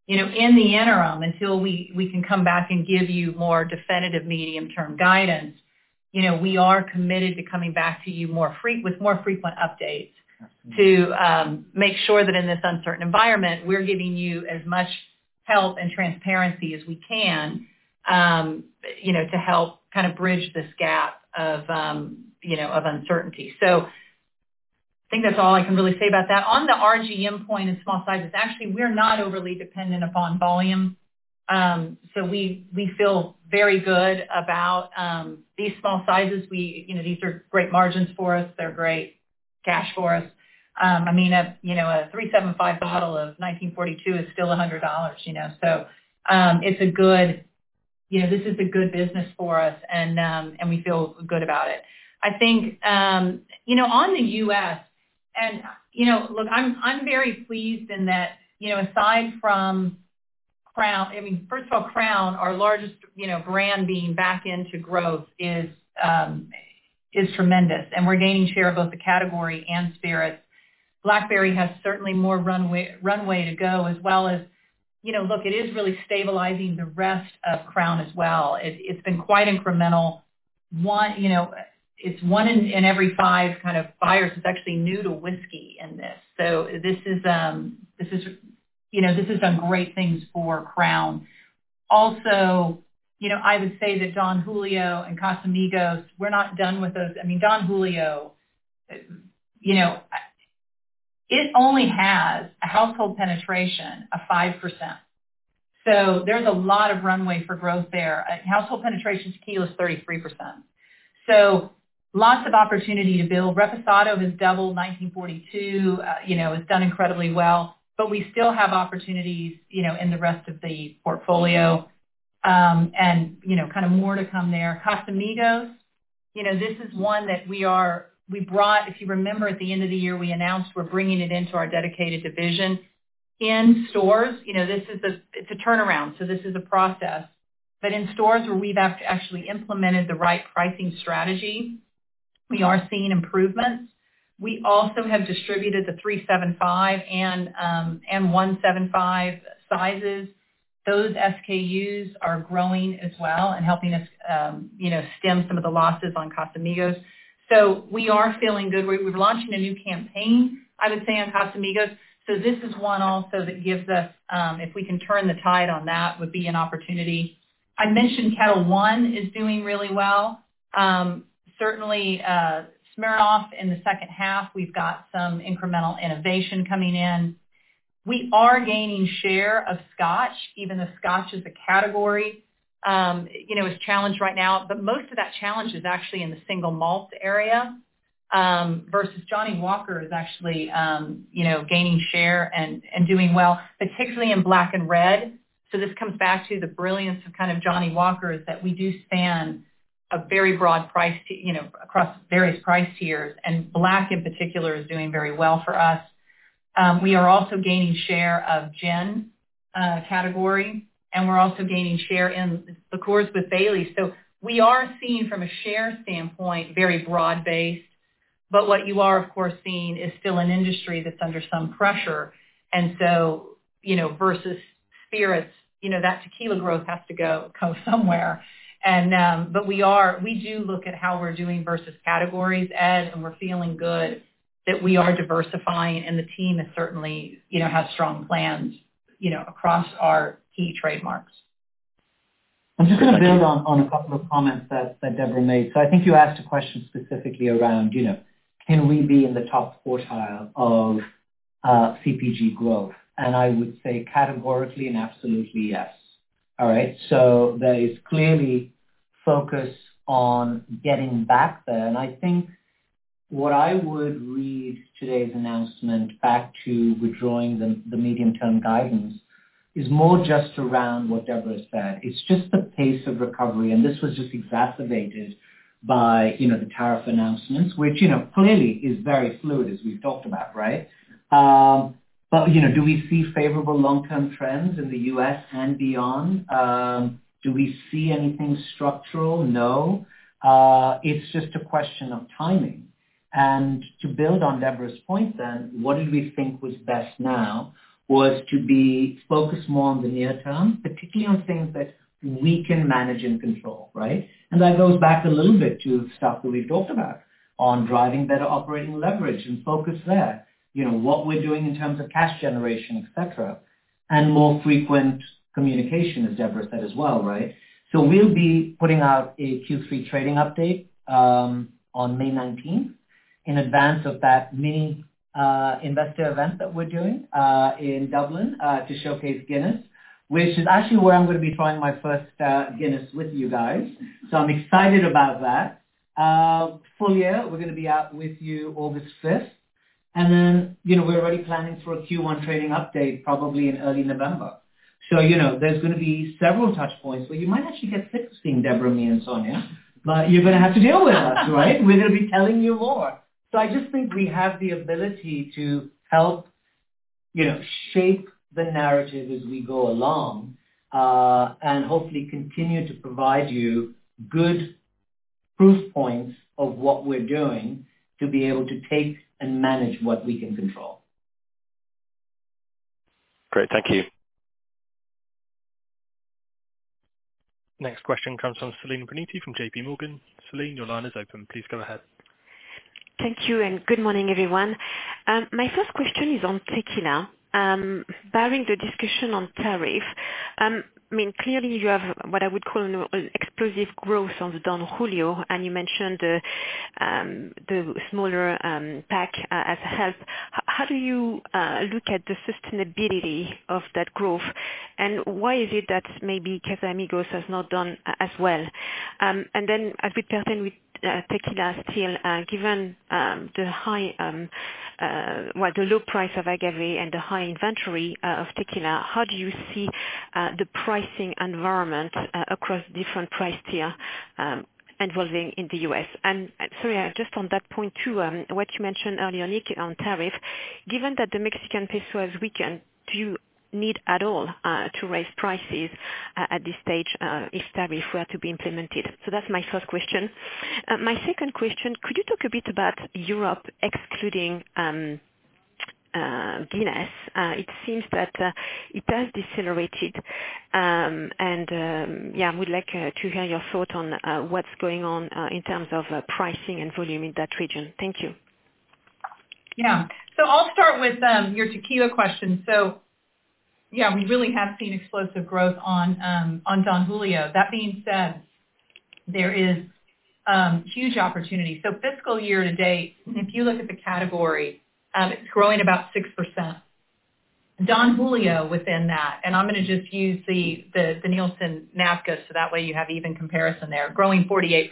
in the interim, until we can come back and give you more definitive medium-term guidance, we are committed to coming back to you with more frequent updates to make sure that in this uncertain environment, we're giving you as much help and transparency as we can to help kind of bridge this gap of uncertainty. I think that's all I can really say about that. On the RGM point and small sizes, actually, we're not overly dependent upon volume. We feel very good about these small sizes. These are great margins for us. They're great cash for us. I mean, a 375 bottle of 1942 is still $100. This is a good business for us, and we feel good about it. I think in the U.S., and look, I'm very pleased in that aside from Crown, I mean, first of all, Crown, our largest brand being back into growth, is tremendous. And we're gaining share of both the category and spirits. Blackberry has certainly more runway to go as well as, look, it is really stabilizing the rest of Crown as well. It's been quite incremental. It's one in every five kind of buyers. It's actually new to whiskey in this. So this is done great things for Crown. Also, I would say that Don Julio and Casamigos, we're not done with those. I mean, Don Julio, it only has a household penetration of 5%. So there's a lot of runway for growth there. Household penetration of tequila is 33%. So lots of opportunity to build. Reposado has doubled 1942. It's done incredibly well. But we still have opportunities in the rest of the portfolio and kind of more to come there. Casamigos, this is one that we brought. If you remember, at the end of the year, we announced we're bringing it into our dedicated division. In stores, this is a turnaround. So this is a process. But in stores where we've actually implemented the right pricing strategy, we are seeing improvements. We also have distributed the 375 ml and 1.75 sizes. Those SKUs are growing as well and helping us stem some of the losses on Casamigos. So we are feeling good. We're launching a new campaign, I would say, on Casamigos. So this is one also that gives us, if we can turn the tide on that, would be an opportunity. I mentioned Ketel One is doing really well. Certainly, Smirnoff in the second half, we've got some incremental innovation coming in. We are gaining share of Scotch, even though Scotch is a category that's challenged right now. But most of that challenge is actually in the single malt area versus Johnnie Walker is actually gaining share and doing well, particularly in Black and Red. So this comes back to the brilliance of kind of Johnnie Walker is that we do span a very broad price across various price tiers. And Black, in particular, is doing very well for us. We are also gaining share of gin category. And we're also gaining share in liqueurs with Baileys. So we are seeing, from a share standpoint, very broad-based. But what you are, of course, seeing is still an industry that's under some pressure. And so versus spirits, that tequila growth has to come somewhere. But we do look at how we're doing versus categories, Ed, and we're feeling good that we are diversifying. And the team certainly has strong plans across our key trademarks. I'm just going to build on a couple of comments that Debra made. So I think you asked a question specifically around, can we be in the top quartile of CPG growth? And I would say categorically and absolutely yes. All right? So there is clearly focus on getting back there. And I think what I would read today's announcement back to withdrawing the medium-term guidance is more just around what Debra said. It's just the pace of recovery. And this was just exacerbated by the tariff announcements, which clearly is very fluid, as we've talked about, right? But do we see favorable long-term trends in the U.S. and beyond? Do we see anything structural? No. It's just a question of timing. And to build on Debra's point then, what did we think was best now was to be focused more on the near term, particularly on things that we can manage and control, right? And that goes back a little bit to stuff that we've talked about on driving better operating leverage and focus there, what we're doing in terms of cash generation, etc., and more frequent communication, as Debra said as well, right? So we'll be putting out a Q3 trading update on May 19th in advance of that mini-investor event that we're doing in Dublin to showcase Guinness, which is actually where I'm going to be trying my first Guinness with you guys. So I'm excited about that. Full year, we're going to be out with you August 5th. And then we're already planning for a Q1 trading update probably in early November. So there's going to be several touch points where you might actually get sick of seeing Debra, me, and Sonya, but you're going to have to deal with us, right? We're going to be telling you more, so I just think we have the ability to help shape the narrative as we go along and hopefully continue to provide you good proof points of what we're doing to be able to take and manage what we can control. Great. Thank you. Next question comes from Celine Pannuti from JPMorgan. Celine, your line is open. Please go ahead. Thank you. And good morning, everyone. My first question is on tequila. Barring the discussion on tariff, I mean, clearly, you have what I would call an explosive growth on Don Julio, and you mentioned the smaller pack as a help. How do you look at the sustainability of that growth? And why is it that maybe Casamigos has not done as well? And then, as it pertains to tequila still, given the high, well, the low price of agave and the high inventory of tequila, how do you see the pricing environment across different price tiers evolving in the U.S.? And sorry, just on that point too, what you mentioned earlier, Nik, on tariff, given that the Mexican peso has weakened, do you need at all to raise prices at this stage if tariff were to be implemented? So that's my first question. My second question, could you talk a bit about Europe, excluding Guinness? It seems that it has decelerated. And yeah, I would like to hear your thoughts on what's going on in terms of pricing and volume in that region? Thank you. Yeah. So I'll start with your tequila question. So yeah, we really have seen explosive growth on Don Julio. That being said, there is huge opportunity. So fiscal year to date, if you look at the category, it's growing about 6%. Don Julio within that, and I'm going to just use the Nielsen NABCA, so that way you have even comparison there, growing 48%.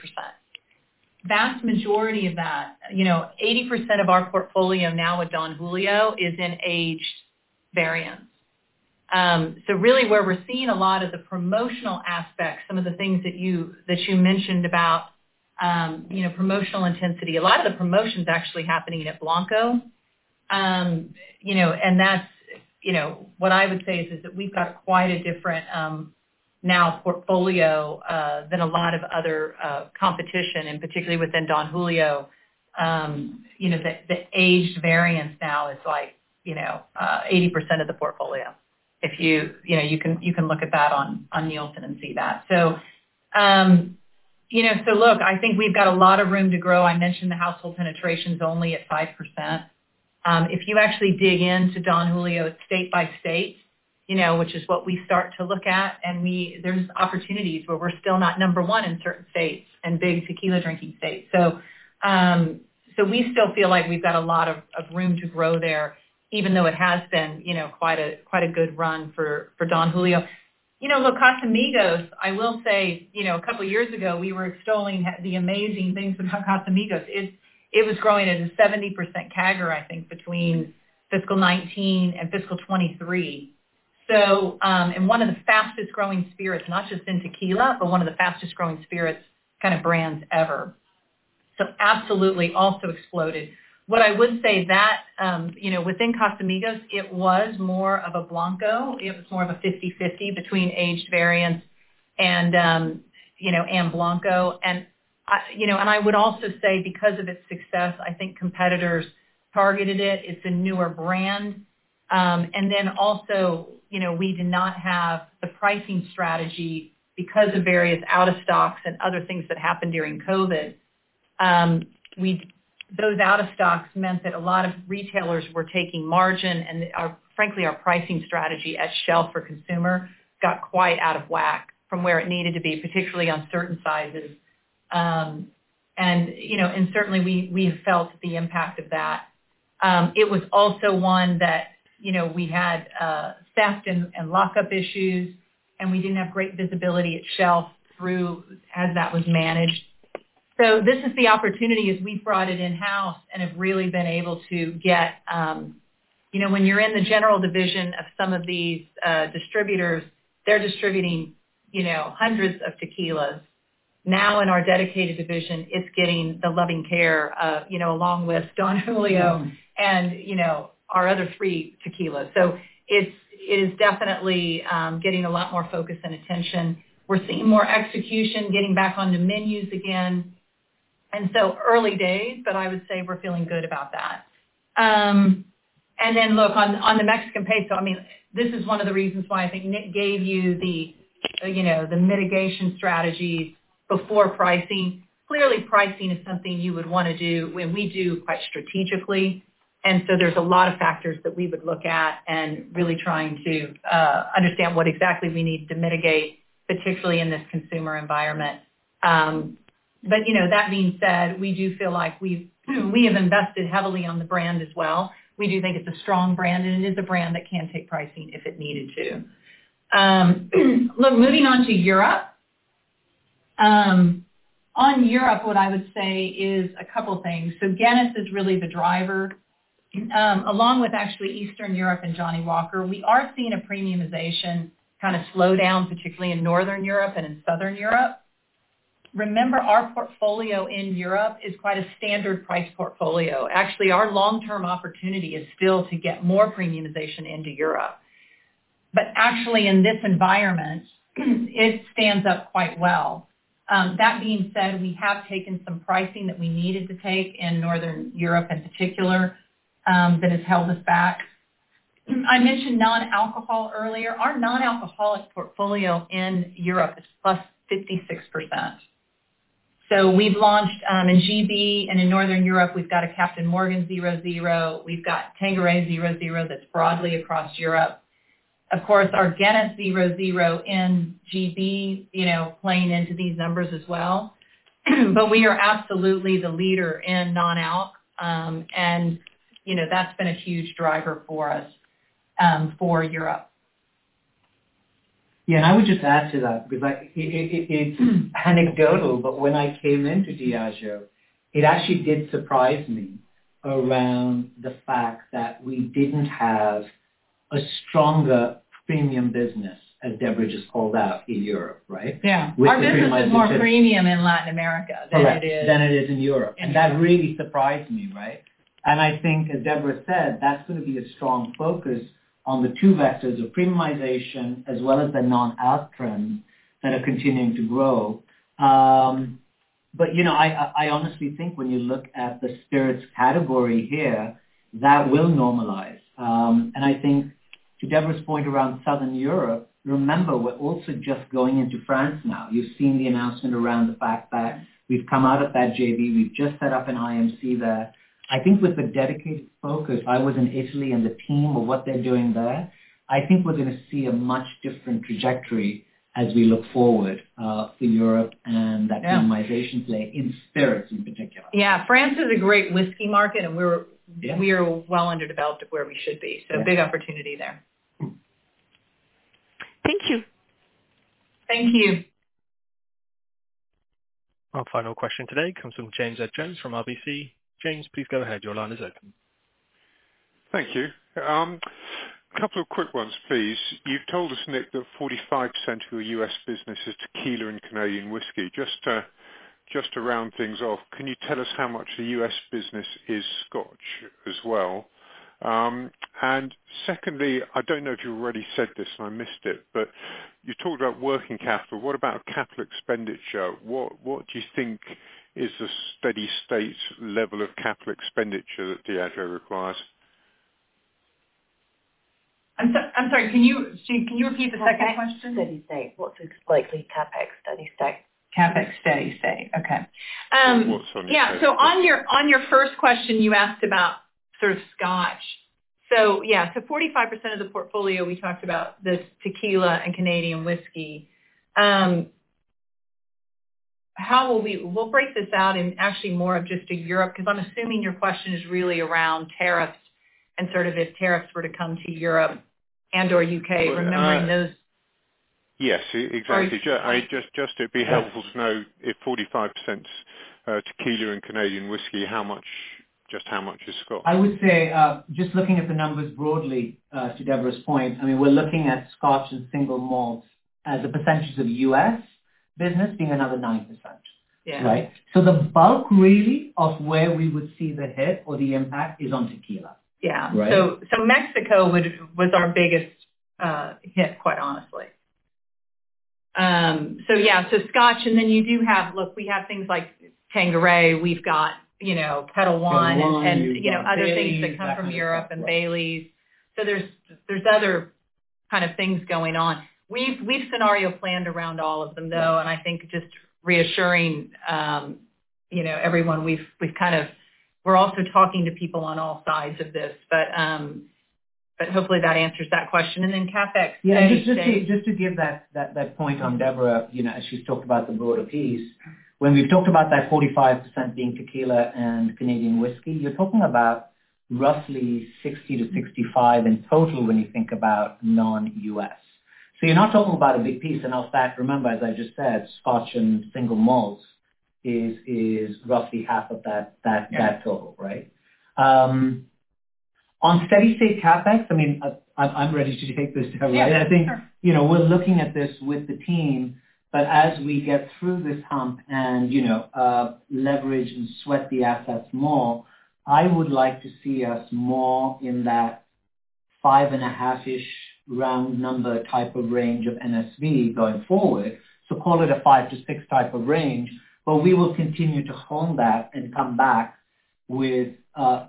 Vast majority of that, 80% of our portfolio now with Don Julio is in aged variants. So really, where we're seeing a lot of the promotional aspects, some of the things that you mentioned about promotional intensity, a lot of the promotion is actually happening at Blanco. And that's what I would say is that we've got quite a different now portfolio than a lot of other competition, and particularly within Don Julio, the aged variants now is like 80% of the portfolio. You can look at that on Nielsen and see that. So look, I think we've got a lot of room to grow. I mentioned the household penetration is only at 5%. If you actually dig into Don Julio state by state, which is what we start to look at, and there's opportunities where we're still not number one in certain states and big tequila drinking states. So we still feel like we've got a lot of room to grow there, even though it has been quite a good run for Don Julio. Look, Casamigos, I will say a couple of years ago, we were extolling the amazing things about Casamigos. It was growing at a 70% CAGR, I think, between fiscal 2019 and fiscal 2023. And one of the fastest growing spirits, not just in tequila, but one of the fastest growing spirits kind of brands ever. So absolutely also exploded. What I would say that within Casamigos, it was more of a Blanco. It was more of a 50/50 between aged variants and Blanco. And I would also say because of its success, I think competitors targeted it. It's a newer brand. And then also, we did not have the pricing strategy because of various out-of-stocks and other things that happened during COVID. Those out-of-stocks meant that a lot of retailers were taking margin, and frankly, our pricing strategy at shelf for consumer got quite out of whack from where it needed to be, particularly on certain sizes. And certainly, we felt the impact of that. It was also one that we had theft and lockup issues, and we didn't have great visibility at shelf through as that was managed. So this is the opportunity as we brought it in-house and have really been able to get when you're in the general division of some of these distributors. They're distributing hundreds of tequilas. Now, in our dedicated division, it's getting the loving care along with Don Julio and our other three tequilas. So it is definitely getting a lot more focus and attention. We're seeing more execution, getting back on the menus again. And so early days, but I would say we're feeling good about that. And then look, on the Mexican peso, I mean, this is one of the reasons why I think Nik gave you the mitigation strategy before pricing. Clearly, pricing is something you would want to do, and we do quite strategically. And so there's a lot of factors that we would look at and really trying to understand what exactly we need to mitigate, particularly in this consumer environment. But that being said, we do feel like we have invested heavily on the brand as well. We do think it's a strong brand, and it is a brand that can take pricing if it needed to. Look, moving on to Europe. On Europe, what I would say is a couple of things. So Guinness is really the driver, along with actually Eastern Europe and Johnnie Walker. We are seeing a premiumization kind of slow down, particularly in Northern Europe and in Southern Europe. Remember, our portfolio in Europe is quite a standard price portfolio. Actually, our long-term opportunity is still to get more premiumization into Europe. But actually, in this environment, it stands up quite well. That being said, we have taken some pricing that we needed to take in Northern Europe in particular that has held us back. I mentioned non-alcohol earlier. Our non-alcoholic portfolio in Europe is +56%. So we've launched in GB and in Northern Europe, we've got a Captain Morgan 0.0. We've got Tanqueray 0.0 that's broadly across Europe. Of course, our Guinness 0.0 in GB playing into these numbers as well. But we are absolutely the leader in non-alc, and that's been a huge driver for us for Europe. Yeah, and I would just add to that because it's anecdotal, but when I came into Diageo, it actually did surprise me around the fact that we didn't have a stronger premium business, as Debra just called out, in Europe, right? Yeah. Ours is more premium in Latin America than it is in Europe. Than it is in Europe, and that really surprised me, right? And I think, as Debra said, that's going to be a strong focus on the two vectors of premiumization as well as the non-alc trend that are continuing to grow, but I honestly think when you look at the spirits category here, that will normalize, and I think, to Debra's point around Southern Europe, remember, we're also just going into France now. You've seen the announcement around the fact that we've come out of that JV. We've just set up an IMC there. I think with the dedicated focus, I was in Italy and the team of what they're doing there. I think we're going to see a much different trajectory as we look forward for Europe and that premiumization play in spirits in particular. Yeah. France is a great whiskey market, and we're well underdeveloped at where we should be. So big opportunity there. Thank you. Thank you. Our final question today comes from James Ed Jones from RBC. James, please go ahead. Your line is open. Thank you. A couple of quick ones, please. You've told us, Nik, that 45% of your U.S. business is tequila and Canadian whiskey. Just to round things off, can you tell us how much the U.S. business is Scotch as well? And secondly, I don't know if you already said this and I missed it, but you talked about working capital. What about capital expenditure? What do you think is the steady state level of capital expenditure that Diageo requires? I'm sorry. Can you repeat the second question? CapEx steady state. What's a slightly CapEx steady state? CapEx steady state. Okay. What's on it? Yeah. So on your first question, you asked about sort of Scotch. So yeah, so 45% of the portfolio, we talked about this tequila and Canadian whiskey. We'll break this out in actually more of just a Europe because I'm assuming your question is really around tariffs and sort of if tariffs were to come to Europe and/or U.K., remembering those. Yes. Exactly. Just to be helpful to know, if 45% tequila and Canadian whiskey, just how much is Scotch? I would say, just looking at the numbers broadly, to Debra's point, I mean, we're looking at Scotch and single malts as a percentage of U.S. business being another 9%, right? So the bulk really of where we would see the hit or the impact is on tequila. Yeah. So Mexico was our biggest hit, quite honestly. So yeah, so Scotch. Then you do have, look, we have things like Tanqueray. We've got Ketel One and other things that come from Europe and Baileys. So there's other kind of things going on. We've scenario planned around all of them, though. I think just reassuring everyone, we're also talking to people on all sides of this. Hopefully, that answers that question. Then CapEx steady state. Yeah. Just to give that point on Debra, as she's talked about the broader piece, when we've talked about that 45% being tequila and Canadian whiskey, you're talking about roughly 60%-65% in total when you think about non-US. So you're not talking about a big piece. And off that, remember, as I just said, Scotch and single malts is roughly half of that total, right? On steady state CapEx, I mean, I'm ready to take this down, right? Yeah. Sure. I think we're looking at this with the team. But as we get through this hump and leverage and sweat the assets more, I would like to see us more in that 5.5-ish round number type of range of NSV going forward. So call it a 5-6 type of range. But we will continue to hone that and come back with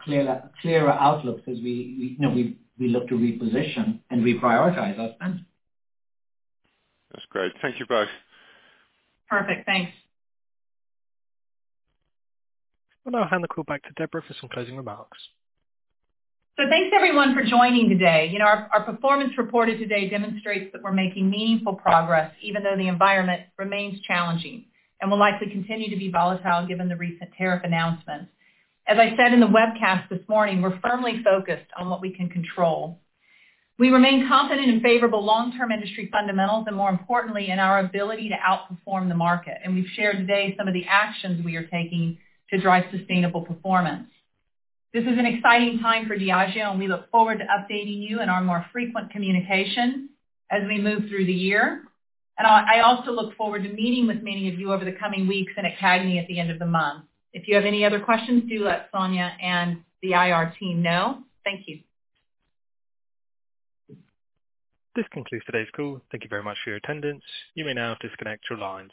clearer outlooks as we look to reposition and reprioritize our spend. That's great. Thank you both. Perfect. Thanks. We'll now hand the call back to Debra for some closing remarks. So thanks, everyone, for joining today. Our performance reported today demonstrates that we're making meaningful progress, even though the environment remains challenging and will likely continue to be volatile given the recent tariff announcements. As I said in the webcast this morning, we're firmly focused on what we can control. We remain confident in favorable long-term industry fundamentals and, more importantly, in our ability to outperform the market. And we've shared today some of the actions we are taking to drive sustainable performance. This is an exciting time for Diageo, and we look forward to updating you in our more frequent communication as we move through the year. And I also look forward to meeting with many of you over the coming weeks and at CAGNY at the end of the month. If you have any other questions, do let Sonya and the IR team know. Thank you. This concludes today's call. Thank you very much for your attendance. You may now disconnect your lines.